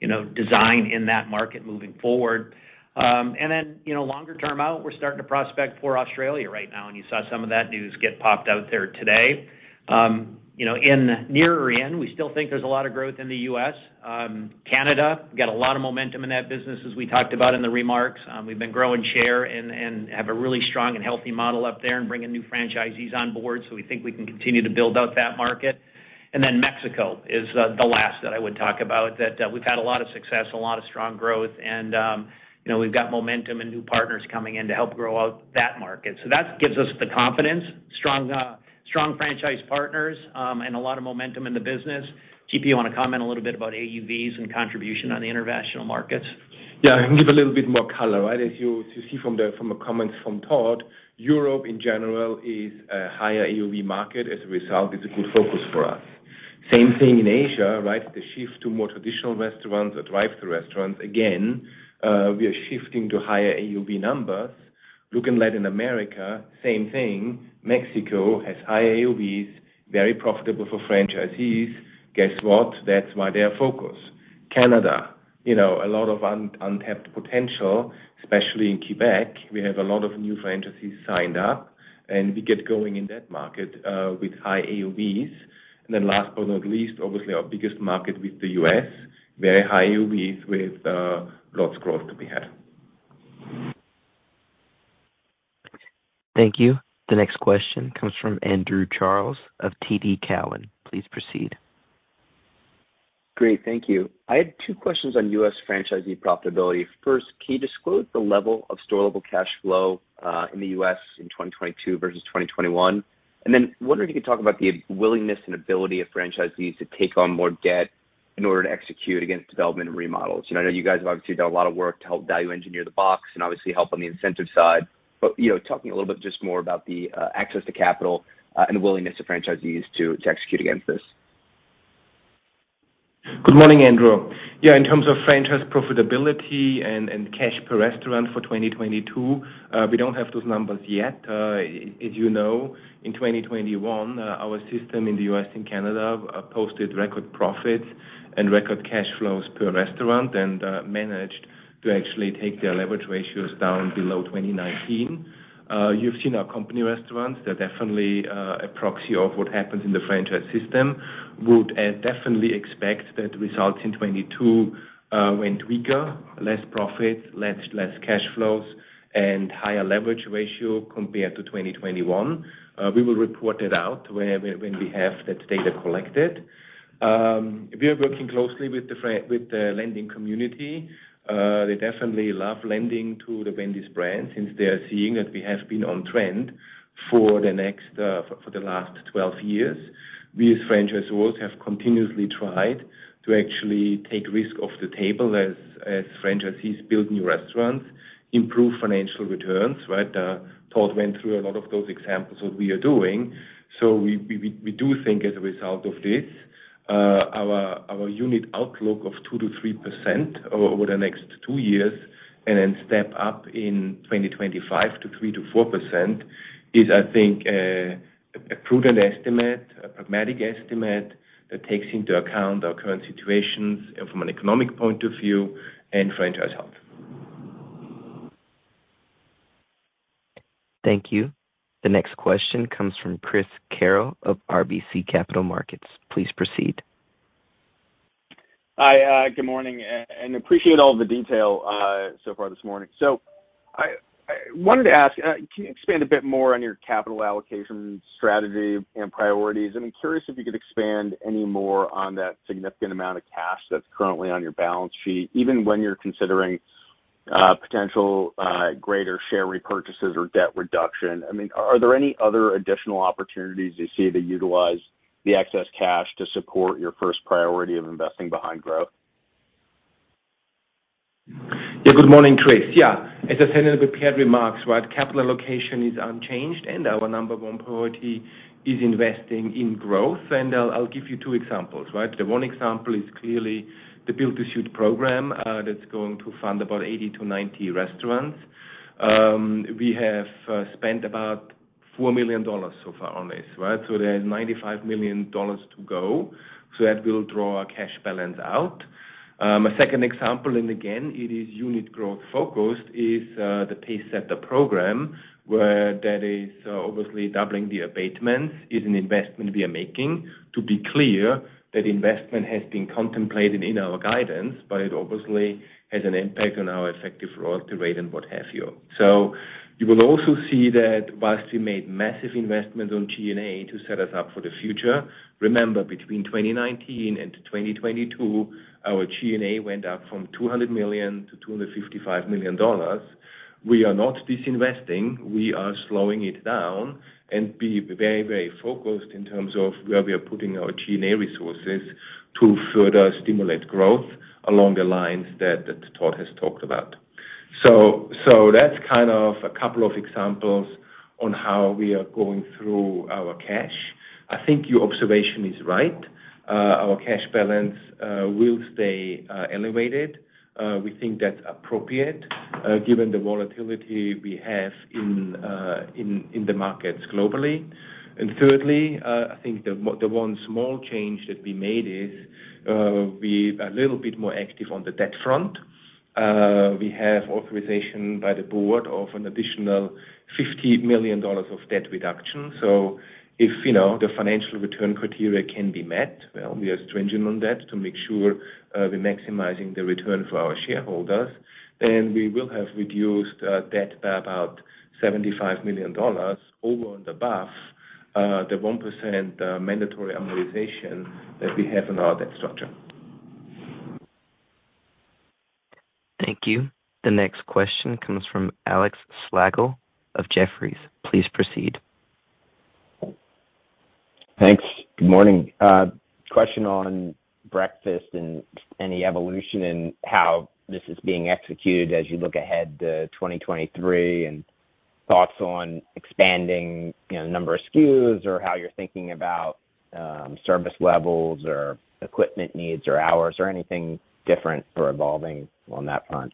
you know, design in that market moving forward. Longer term out, we're starting to prospect for Australia right now, and you saw some of that news get popped out there today. You know, in nearer end, we still think there's a lot of growth in the U.S. Canada, we've got a lot of momentum in that business, as we talked about in the remarks. We've been growing share and have a really strong and healthy model up there and bringing new franchisees on board, so we think we can continue to build out that market. Mexico is the last that I would talk about that we've had a lot of success, a lot of strong growth, and, you know, we've got momentum and new partners coming in to help grow out that market. That gives us the confidence, strong franchise partners, and a lot of momentum in the business. GP, you wanna comment a little bit about AUVs and contribution on the international markets? Yeah. I can give a little bit more color, right? As you, as you see from the, from the comments from Todd, Europe in general is a higher AUV market. As a result, it's a good focus for us. Same thing in Asia, right? The shift to more traditional restaurants and drive-thru restaurants, again, we are shifting to higher AUV numbers. Looking Latin America, same thing. Mexico has high AUVs, very profitable for franchisees. Guess what? That's why they are focused. Canada, you know, a lot of untapped potential, especially in Quebec. We have a lot of new franchisees signed up, and we get going in that market with high AUVs. Last but not least, obviously our biggest market with the U.S., very high AUVs with, lots of growth to be had. Thank you. The next question comes from Andrew Charles of TD Cowen. Please proceed. Great. Thank you. I had two questions on U.S. franchisee profitability. First, can you disclose the level of free cash flow in the U.S. in 2022 versus 2021? Then wondering if you could talk about the willingness and ability of franchisees to take on more debt in order to execute against development and remodels. You know, I know you guys have obviously done a lot of work to help value engineer the box and obviously help on the incentive side, you know, talking a little bit just more about the access to capital and the willingness of franchisees to execute against this? Good morning, Andrew. In terms of franchise profitability and cash per restaurant for 2022, we don't have those numbers yet. As you know, in 2021, our system in the U.S. and Canada posted record profits and record cash flows per restaurant and managed to actually take their leverage ratios down below 2019. You've seen our company restaurants. They're definitely a proxy of what happens in the franchise system. Would definitely expect that results in 2022 went weaker, less profit, less cash flows, and higher leverage ratio compared to 2021. We will report it out when we have that data collected. We are working closely with the lending community. They definitely love lending to the Wendy's brand since they are seeing that we have been on trend for the last 12 years. We as franchise owners have continuously tried to actually take risk off the table as franchisees build new restaurants, improve financial returns, right? Todd went through a lot of those examples of what we are doing. We do think as a result of this, our unit outlook of 2%-3% over the next two years and then step up in 2025 to 3%-4% is, I think, a prudent estimate, a pragmatic estimate that takes into account our current situations from an economic point of view and franchise health. Thank you. The next question comes from Chris Carril of RBC Capital Markets. Please proceed. Hi. good morning, and appreciate all the detail, so far this morning. I wanted to ask, can you expand a bit more on your capital allocation strategy and priorities? I'm curious if you could expand any more on that significant amount of cash that's currently on your balance sheet, even when you're considering potential greater share repurchases or debt reduction. I mean, are there any other additional opportunities you see to utilize the excess cash to support your first priority of investing behind growth? Good morning, Chris. As I said in the prepared remarks, right, capital allocation is unchanged, and our number one priority is investing in growth. I'll give you two examples, right? The one example is clearly the Build to Suit program that's going to fund about 80-90 restaurants. We have spent about $4 million so far on this, right? There's $95 million to go. That will draw our cash balance out. A second example, and again, it is unit growth focused, is the Pacesetter program, where that is obviously doubling the abatements is an investment we are making. To be clear, that investment has been contemplated in our guidance, but it obviously has an impact on our effective royalty rate and what have you. You will also see that whilst we made massive investments on G&A to set us up for the future, remember, between 2019 and 2022, our G&A went up from $200 million-$255 million. We are not disinvesting. We are slowing it down and be very focused in terms of where we are putting our G&A resources to further stimulate growth along the lines that Todd has talked about. That's kind of a couple of examples on how we are going through our cash. I think your observation is right. Our cash balance will stay elevated. We think that's appropriate given the volatility we have in the markets globally. Thirdly, I think the one small change that we made is we a little bit more active on the debt front. We have authorization by the board of an additional $50 million of debt reduction. If, you know, the financial return criteria can be met, well, we are stringent on that to make sure we're maximizing the return for our shareholders, then we will have reduced debt by about $75 million over and above the 1% mandatory amortization that we have in our debt structure. Thank you. The next question comes from Alex Slagle of Jefferies. Please proceed. Thanks. Good morning. Question on breakfast and any evolution in how this is being executed as you look ahead to 2023, and thoughts on expanding, you know, number of SKUs or how you're thinking about, service levels or equipment needs or hours or anything different or evolving on that front.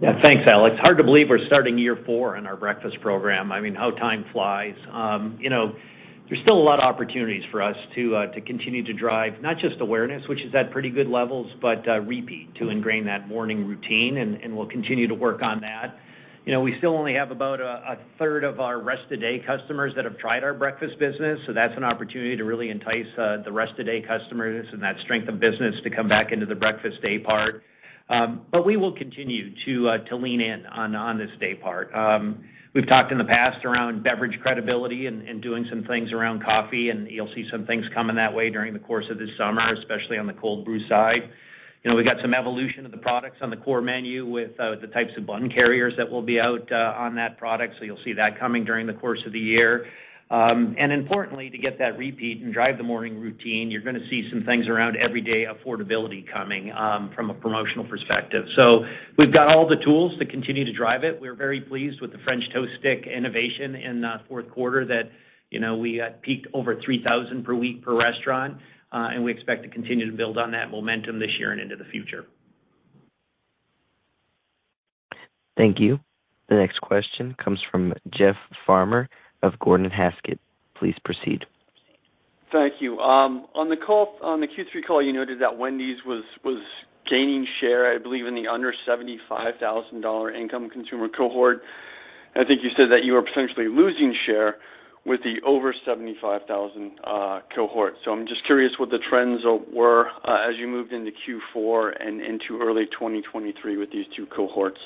Yeah. Thanks, Alex. Hard to believe we're starting year four in our breakfast program. I mean, how time flies. You know, there's still a lot of opportunities for us to continue to drive not just awareness, which is at pretty good levels, but repeat to ingrain that morning routine, and we'll continue to work on that. You know, we still only have about a third of our rest of day customers that have tried our breakfast business, so that's an opportunity to really entice the rest of day customers and that strength of business to come back into the breakfast day part. We will continue to lean in on this day part. We've talked in the past around beverage credibility and doing some things around coffee, and you'll see some things coming that way during the course of this summer, especially on the Cold Brew side. You know, we've got some evolution of the products on the core menu with the types of bun carriers that will be out on that product. You'll see that coming during the course of the year. Importantly, to get that repeat and drive the morning routine, you're gonna see some things around everyday affordability coming from a promotional perspective. We've got all the tools to continue to drive it. We're very pleased with the French Toast Stick innovation in fourth quarter that, you know, we peaked over 3,000 per week per restaurant. We expect to continue to build on that momentum this year and into the future. Thank you. The next question comes from Jeff Farmer of Gordon Haskett. Please proceed. Thank you. On the Q3 call, you noted that Wendy's was gaining share, I believe in the under $75,000 income consumer cohort. I think you said that you are potentially losing share with the over $75,000 cohort. I'm just curious what the trends were as you moved into Q4 and into early 2023 with these two cohorts.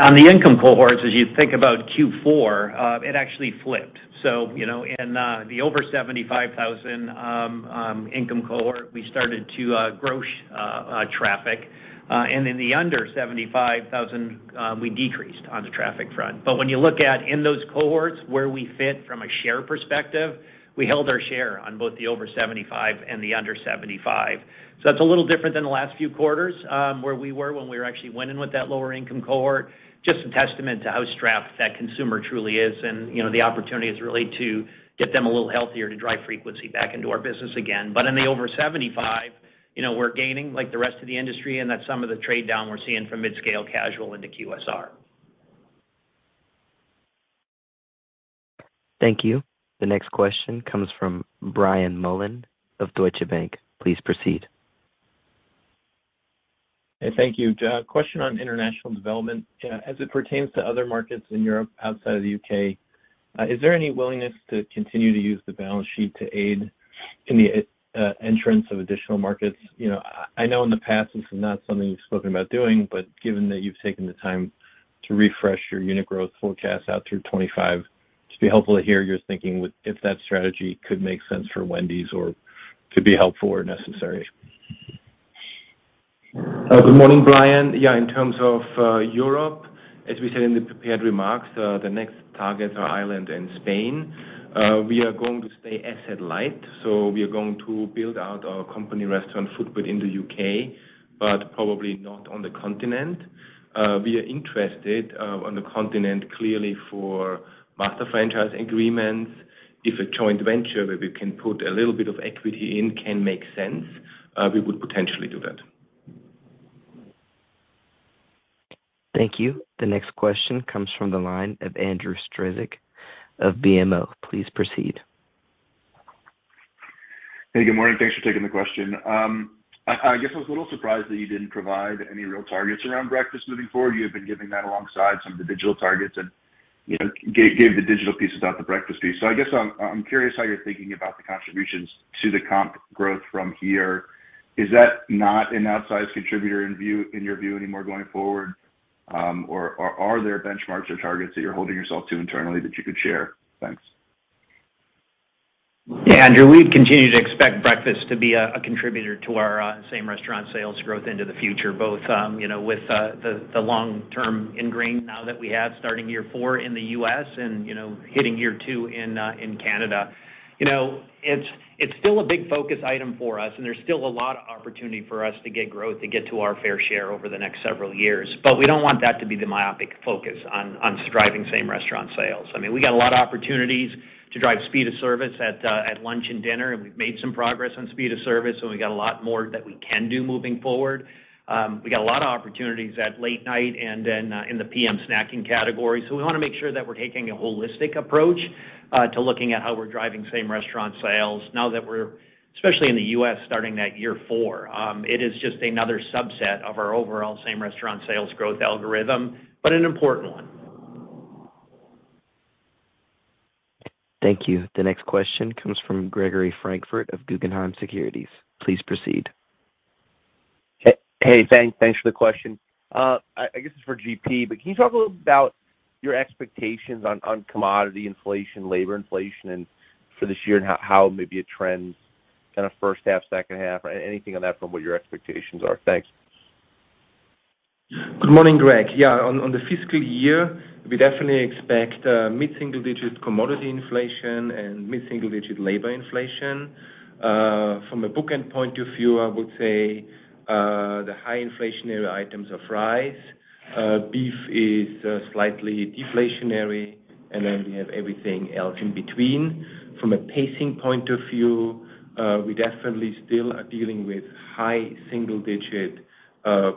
On the income cohorts, as you think about Q4, it actually flipped. You know, in the over 75,000 income cohort, we started to gross traffic. In the under 75,000, we decreased on the traffic front. When you look at in those cohorts where we fit from a share perspective, we held our share on both the over 75 and the under 75. That's a little different than the last few quarters, where we were when we were actually winning with that lower income cohort. Just a testament to how strapped that consumer truly is. You know, the opportunity is really to get them a little healthier to drive frequency back into our business again. In the over 75, you know, we're gaining like the rest of the industry, and that's some of the trade-down we're seeing from midscale casual into QSR. Thank you. The next question comes from Brian Mullan of Deutsche Bank. Please proceed. Hey. Thank you. Question on international development. As it pertains to other markets in Europe outside of the U.K., is there any willingness to continue to use the balance sheet to aid in the entrance of additional markets? You know, I know in the past it's not something you've spoken about doing, but given that you've taken the time to refresh your unit growth forecast out through 25, just be helpful to hear your thinking with if that strategy could make sense for Wendy's or could be helpful or necessary. Good morning, Brian. In terms of Europe, as we said in the prepared remarks, the next targets are Ireland and Spain. We are going to stay asset light, so we are going to build out our company restaurant footprint in the U.K., but probably not on the continent. We are interested on the continent clearly for master franchise agreements. If a joint venture where we can put a little bit of equity in can make sense, we would potentially do that. Thank you. The next question comes from the line of Andrew Strelzik of BMO. Please proceed. Hey, good morning. Thanks for taking the question. I guess I was a little surprised that you didn't provide any real targets around breakfast moving forward. You have been giving that alongside some of the digital targets and, you know, gave the digital piece about the breakfast piece. I guess I'm curious how you're thinking about the contributions to the comp growth from here. Is that not an outsized contributor in your view anymore going forward? Are there benchmarks or targets that you're holding yourself to internally that you could share? Thanks. Yeah, Andrew, we've continued to expect breakfast to be a contributor to our same-restaurant sales growth into the future, both, you know, with the long term ingrained now that we have starting year four in the U.S. and, you know, hitting year two in Canada. You know, it's still a big focus item for us, and there's still a lot of opportunity for us to get growth to get to our fair share over the next several years. We don't want that to be the myopic focus on striving same-restaurant sales. I mean, we got a lot of opportunities to drive speed of service at lunch and dinner, and we've made some progress on speed of service, and we got a lot more that we can do moving forward. We got a lot of opportunities at late night and then in the PM snacking category. We wanna make sure that we're taking a holistic approach to looking at how we're driving same-restaurant sales now that we're, especially in the U.S., starting that year four. It is just another subset of our overall same-restaurant sales growth algorithm, but an important one. Thank you. The next question comes from Gregory Francfort of Guggenheim Securities. Please proceed. Hey, thanks for the question. I guess it's for GP, but can you talk a little about your expectations on commodity inflation, labor inflation for this year and how maybe it trends kind of first half, second half, anything on that front, what your expectations are? Thanks. Good morning, Greg. Yeah, on the fiscal year, we definitely expect mid-single digit commodity inflation and mid-single digit labor inflation. From a bookend point of view, I would say the high inflationary items are fries. Beef is slightly deflationary, and then we have everything else in between. From a pacing point of view, we definitely still are dealing with high single digit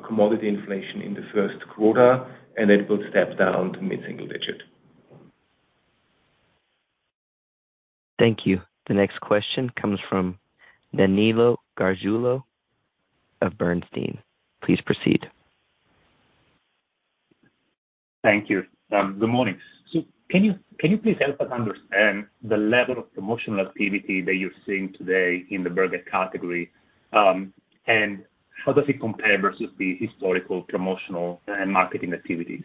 commodity inflation in the first quarter, and it will step down to mid-single digit. Thank you. The next question comes from Danilo Gargiulo of Bernstein. Please proceed. Thank you. Good morning. Can you please help us understand the level of promotional activity that you're seeing today in the burger category, and how does it compare versus the historical promotional and marketing activities?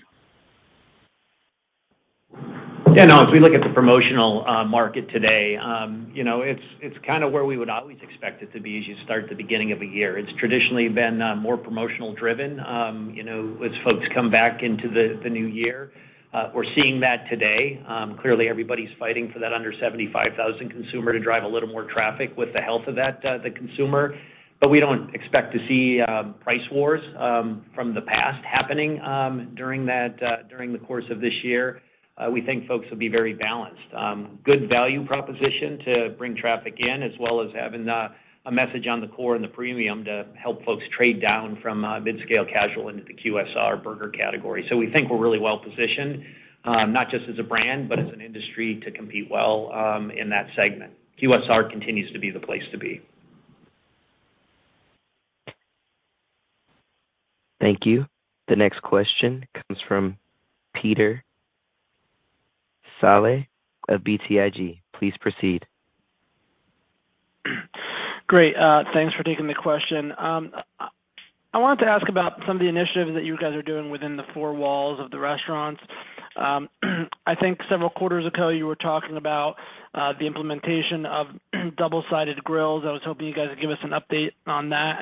No, if we look at the promotional market today, you know, it's kind of where we would always expect it to be as you start the beginning of a year. It's traditionally been more promotional driven, you know, as folks come back into the new year. We're seeing that today. Clearly, everybody's fighting for that under 75,000 consumer to drive a little more traffic with the health of that the consumer. We don't expect to see price wars from the past happening during that during the course of this year. We think folks will be very balanced. Good value proposition to bring traffic in, as well as having a message on the core and the premium to help folks trade down from midscale casual into the QSR burger category. We think we're really well positioned, not just as a brand, but as an industry to compete well, in that segment. QSR continues to be the place to be. Thank you. The next question comes from Peter Saleh of BTIG. Please proceed. Great. Thanks for taking the question. I wanted to ask about some of the initiatives that you guys are doing within the four walls of the restaurants. I think several quarters ago, you were talking about the implementation of double-sided grills. I was hoping you guys would give us an update on that.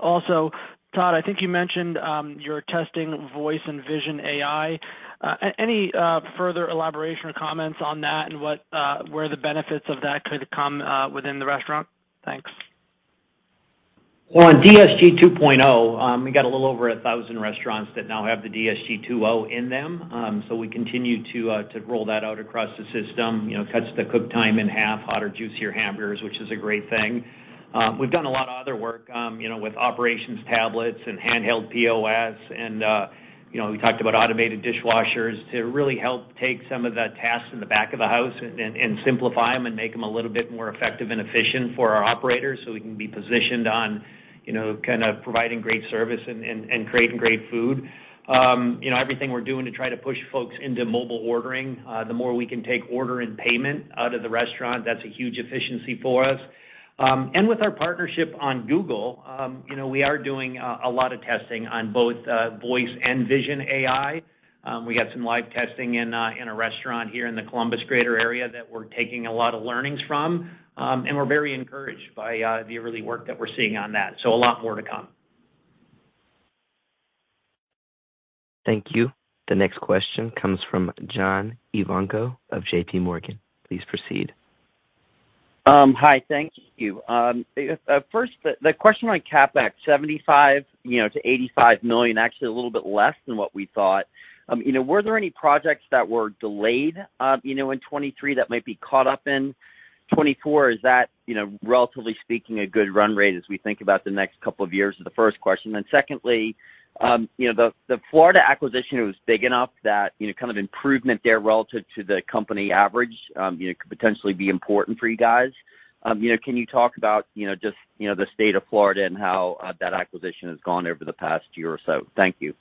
Also, Todd, I think you mentioned, you're testing voice and vision AI. Any further elaboration or comments on that and what, where the benefits of that could come within the restaurant? Thanks. On DSG 2.0, we got a little over 1,000 restaurants that now have the DSG 2.0 in them. We continue to roll that out across the system. You know, cuts the cook time in half, hotter, juicier hamburgers, which is a great thing. We've done a lot of other work, you know, with operations tablets and handheld POS and, you know, we talked about automated dishwashers to really help take some of the tasks in the back of the house and simplify them and make them a little bit more effective and efficient for our operators, so we can be positioned on, you know, kind of providing great service and creating great food. You know, everything we're doing to try to push folks into mobile ordering. The more we can take order and payment out of the restaurant, that's a huge efficiency for us. With our partnership on Google, you know, we are doing a lot of testing on both voice and vision AI. We got some live testing in a restaurant here in the Columbus greater area that we're taking a lot of learnings from. We're very encouraged by the early work that we're seeing on that. A lot more to come. Thank you. The next question comes from John Ivankoe of J.P. Morgan. Please proceed. Hi. Thank you. First, the question on CapEx, $75 million, you know, to $85 million, actually a little bit less than what we thought. You know, were there any projects that were delayed, you know, in 2023 that might be caught up in? 2024, is that, you know, relatively speaking, a good run rate as we think about the next couple of years is the first question? Secondly, you know, the Florida acquisition was big enough that, you know, kind of improvement there relative to the company average, you know, could potentially be important for you guys. Can you talk about, you know, just, you know, the state of Florida and how that acquisition has gone over the past year or so? Thank you.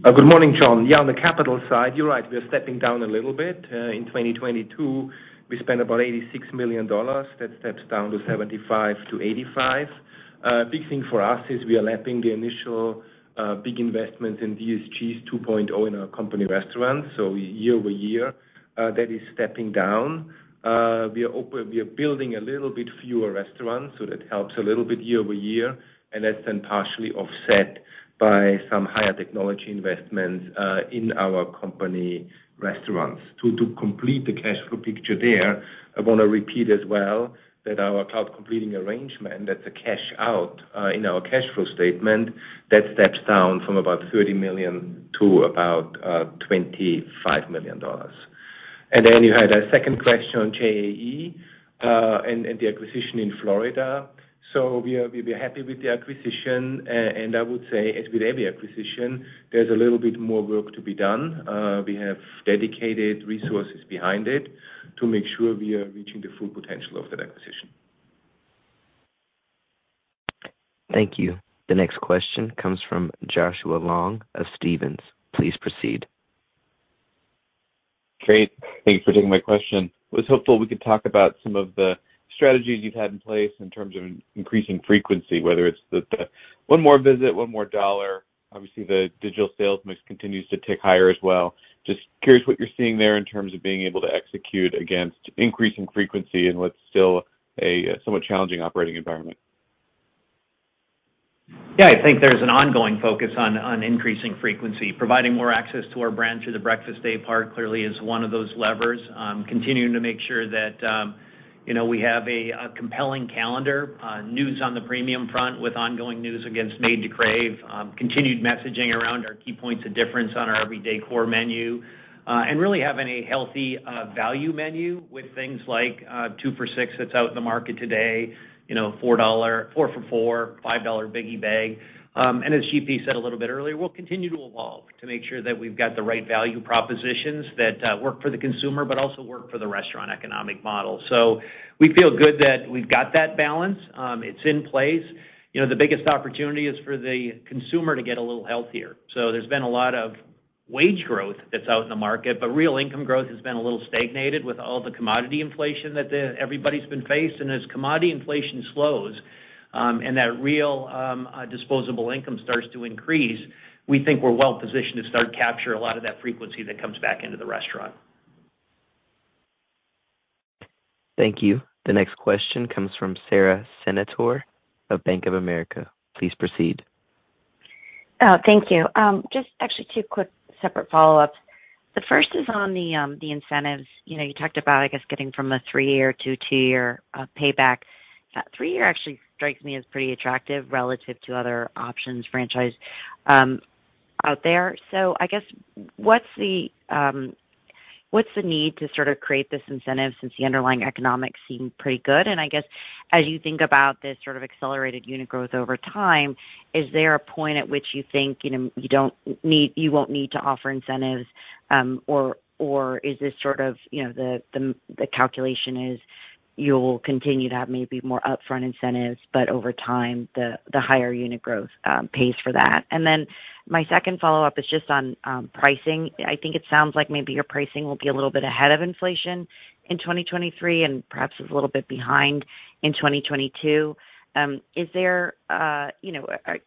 Good morning, John. On the capital side, you're right, we're stepping down a little bit. In 2022, we spent about $86 million. That steps down to $75 million-$85 million. Big thing for us is we are lapping the initial big investments in DSG 2.0 in our company restaurants. Year-over-year, that is stepping down. We are building a little bit fewer restaurants, so that helps a little bit year-over-year, and that's then partially offset by some higher technology investments in our company restaurants. To complete the cash flow picture there, I wanna repeat as well that our cloud computing arrangement, that's a cash out in our cash flow statement, that steps down from about $30 million to about $25 million. You had a second question on JAE and the acquisition in Florida. We're happy with the acquisition. I would say, as with every acquisition, there's a little bit more work to be done. We have dedicated resources behind it to make sure we are reaching the full potential of that acquisition. Thank you. The next question comes from Joshua Long of Stephens. Please proceed. Great. Thank you for taking my question. Was hopeful we could talk about some of the strategies you've had in place in terms of increasing frequency, whether it's the one more visit, one more dollar. Obviously, the digital sales mix continues to tick higher as well. Just curious what you're seeing there in terms of being able to execute against increasing frequency in what's still a somewhat challenging operating environment? I think there's an ongoing focus on increasing frequency. Providing more access to our brand through the Breakfast Daypart clearly is one of those levers. Continuing to make sure that, you know, we have a compelling calendar, news on the premium front with ongoing news against Made to Crave, continued messaging around our key points of difference on our everyday core menu, and really having a healthy value menu with things like two for $6 that's out in the market today, you know, 4 for $4, $5 Biggie Bag. As GP said a little bit earlier, we'll continue to evolve to make sure that we've got the right value propositions that work for the consumer, but also work for the restaurant economic model. We feel good that we've got that balance. It's in place. You know, the biggest opportunity is for the consumer to get a little healthier. There's been a lot of wage growth that's out in the market, but real income growth has been a little stagnated with all the commodity inflation that everybody's been facing. As commodity inflation slows, and that real disposable income starts to increase, we think we're well-positioned to start to capture a lot of that frequency that comes back into the restaurant. Thank you. The next question comes from Sara Senatore of Bank of America. Please proceed. Oh, thank you. just actually two quick separate follow-ups. The first is on the incentives. You know, you talked about, I guess, getting from a three-year-two-year payback. That three-year actually strikes me as pretty attractive relative to other options franchise out there. I guess what's the, what's the need to sort of create this incentive since the underlying economics seem pretty good? I guess as you think about this sort of accelerated unit growth over time, is there a point at which you think, you know, you won't need to offer incentives, or is this sort of, you know, the, the calculation is you'll continue to have maybe more upfront incentives, but over time, the higher unit growth, pays for that? My second follow-up is just on, pricing. I think it sounds like maybe your pricing will be a little bit ahead of inflation in 2023, and perhaps it's a little bit behind in 2022. Is there, you know,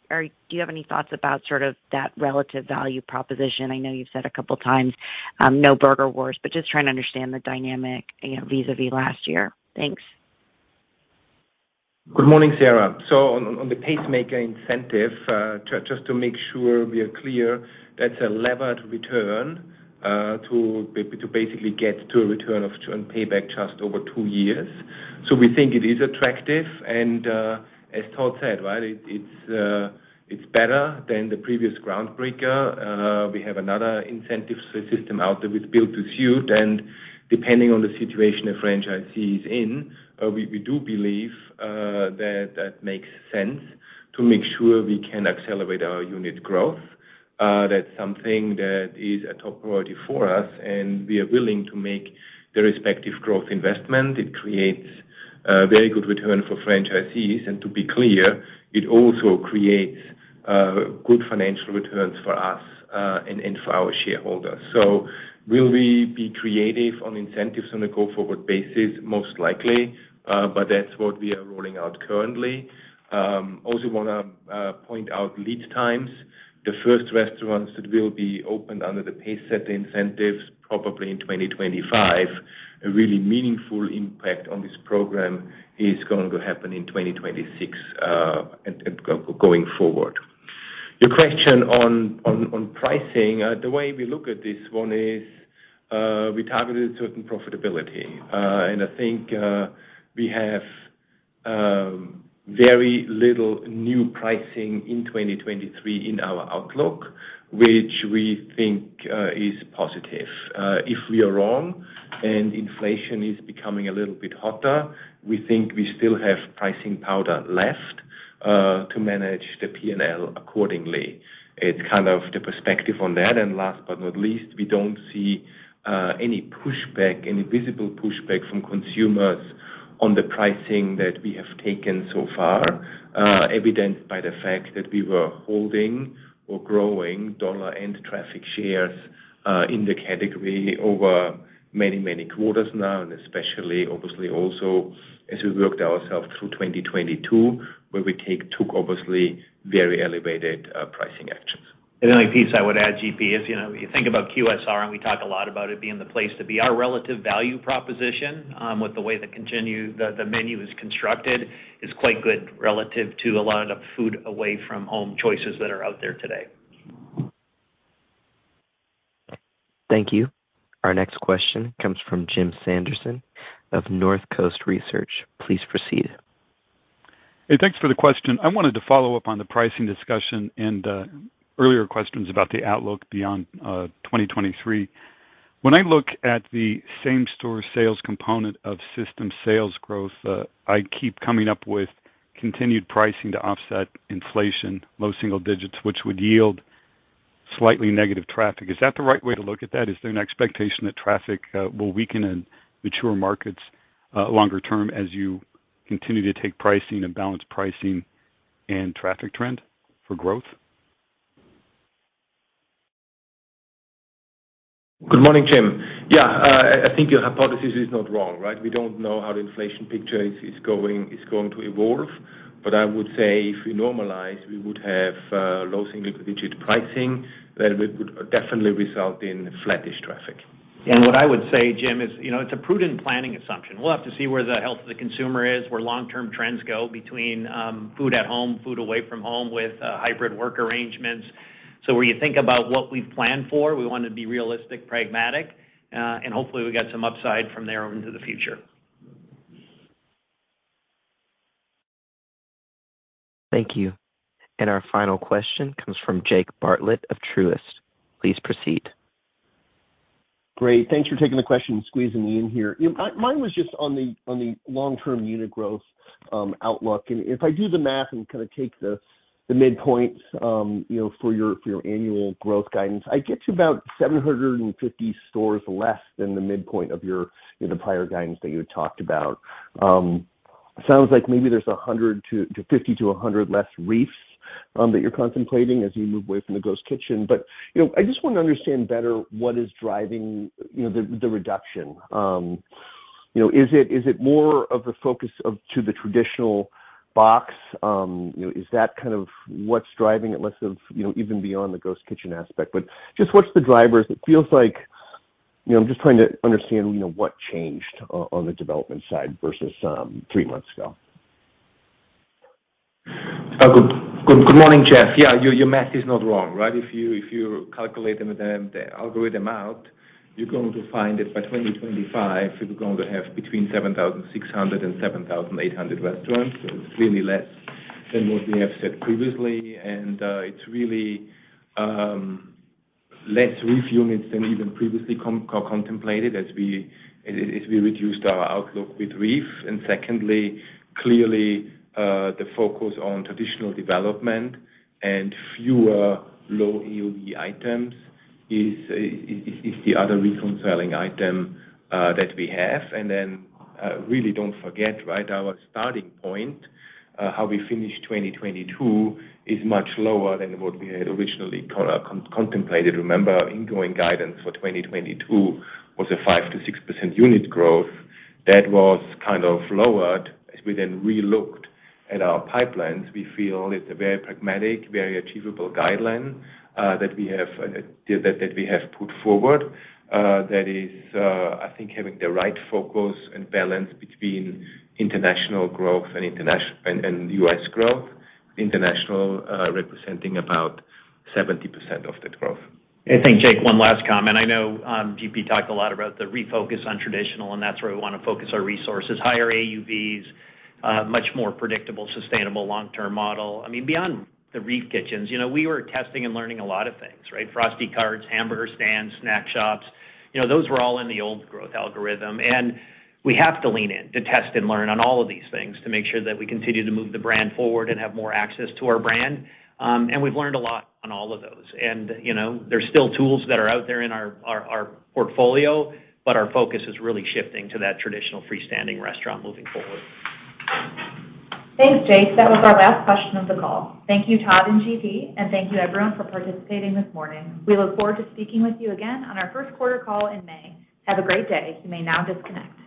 do you have any thoughts about sort of that relative value proposition? I know you've said a couple times, no burger wars, but just trying to understand the dynamic, you know, vis-à-vis last year. Thanks. Good morning, Sara. On the Pacesetter incentive, just to make sure we are clear, that's a levered return to basically get to a payback just over two years. We think it is attractive. As Todd said, right, it's better than the previous Groundbreaker. We have another incentive system out there with Build to Suit. Depending on the situation a franchisee is in, we do believe that that makes sense to make sure we can accelerate our unit growth. That's something that is a top priority for us, and we are willing to make the respective growth investment. It creates a very good return for franchisees. To be clear, it also creates good financial returns for us, and for our shareholders. Will we be creative on incentives on a go-forward basis? Most likely, but that's what we are rolling out currently. Also wanna, point out lead times. The first restaurants that will be opened under the Pacesetter incentives probably in 2025. A really meaningful impact on this program is going to happen in 2026, and going forward. Your question on pricing. The way we look at this one is, we targeted certain profitability. I think, we have very little new pricing in 2023 in our outlook, which we think, is positive. If we are wrong and inflation is becoming a little bit hotter, we think we still have pricing powder left, to manage the P&L accordingly. It's kind of the perspective on that. Last but not least, we don't see, any pushback, any visible pushback from consumers on the pricing that we have taken so far, evidenced by the fact that we were holding or growing dollar and traffic shares, in the category over many, many quarters now, and especially obviously also as we worked ourselves through 2022, where we took obviously very elevated, pricing actions. The only piece I would add, GP, is, you know, when you think about QSR, and we talk a lot about it being the place to be, our relative value proposition, with the way the menu is constructed is quite good relative to a lot of food away from home choices that are out there today. Thank you. Our next question comes from Jim Sanderson of Northcoast Research. Please proceed. Hey, thanks for the question. I wanted to follow up on the pricing discussion and earlier questions about the outlook beyond 2023. When I look at the same store sales component of system sales growth, I keep coming up with continued pricing to offset inflation, low single digits, which would yield slightly negative traffic. Is that the right way to look at that? Is there an expectation that traffic will weaken in mature markets longer term as you continue to take pricing and balance pricing and traffic trend for growth? Good morning, Jim. Yeah, I think your hypothesis is not wrong, right? We don't know how the inflation picture is going to evolve. I would say if we normalize, we would have low single-digit pricing that would definitely result in flattish traffic. What I would say, Jim, is, you know, it's a prudent planning assumption. We'll have to see where the health of the consumer is, where long-term trends go between food at home, food away from home with hybrid work arrangements. When you think about what we plan for, we wanna be realistic, pragmatic, and hopefully we get some upside from there into the future. Thank you. Our final question comes from Jake Bartlett of Truist. Please proceed. Great. Thanks for taking the question and squeezing me in here. Mine was just on the long-term unit growth outlook. If I do the math and kinda take the midpoints, you know, for your annual growth guidance, I get to about 750 stores less than the midpoint of your prior guidance that you had talked about. Sounds like maybe there's 50-100 less REEFs that you're contemplating as you move away from the ghost kitchen. I just wanna understand better what is driving, you know, the reduction. Is it more of the focus of to the traditional box? You know, is that kind of what's driving it less of, you know, even beyond the ghost kitchen aspect. Just what's the drivers? It feels like, you know, I'm just trying to understand, you know, what changed on the development side versus three months ago. Good morning, Jeff. Yeah, your math is not wrong, right? If you calculate them, the algorithm out, you're going to find that by 2025, we're going to have between 7,600-7,800 restaurants. It's really less than what we have said previously. It's really less REEF units than even previously contemplated as we reduced our outlook with REEF. Secondly, clearly, the focus on traditional development and fewer low AUV items is the other recon selling item that we have. Then, really don't forget, right? Our starting point, how we finish 2022 is much lower than what we had originally contemplated. Remember, ingoing guidance for 2022 was a 5%-6% unit growth that was kind of lowered as we then relooked at our pipelines. We feel it's a very pragmatic, very achievable guideline that we have put forward. That is, I think having the right focus and balance between international growth and U.S. growth. International, representing about 70% of that growth. I think, Jake, one last comment. I know, GP talked a lot about the refocus on traditional, that's where we wanna focus our resources. Higher AUVs, much more predictable, sustainable long-term model. I mean, beyond the REEF kitchens, you know, we were testing and learning a lot of things, right? Frosty cards, hamburger stands, snack shops, you know, those were all in the old growth algorithm. We have to lean in to test and learn on all of these things to make sure that we continue to move the brand forward and have more access to our brand. We've learned a lot on all of those. You know, there's still tools that are out there in our portfolio, but our focus is really shifting to that traditional freestanding restaurant moving forward. Thanks, Jake. That was our last question of the call. Thank you, Todd and GP, and thank you everyone for participating this morning. We look forward to speaking with you again on our first quarter call in May. Have a great day. You may now disconnect.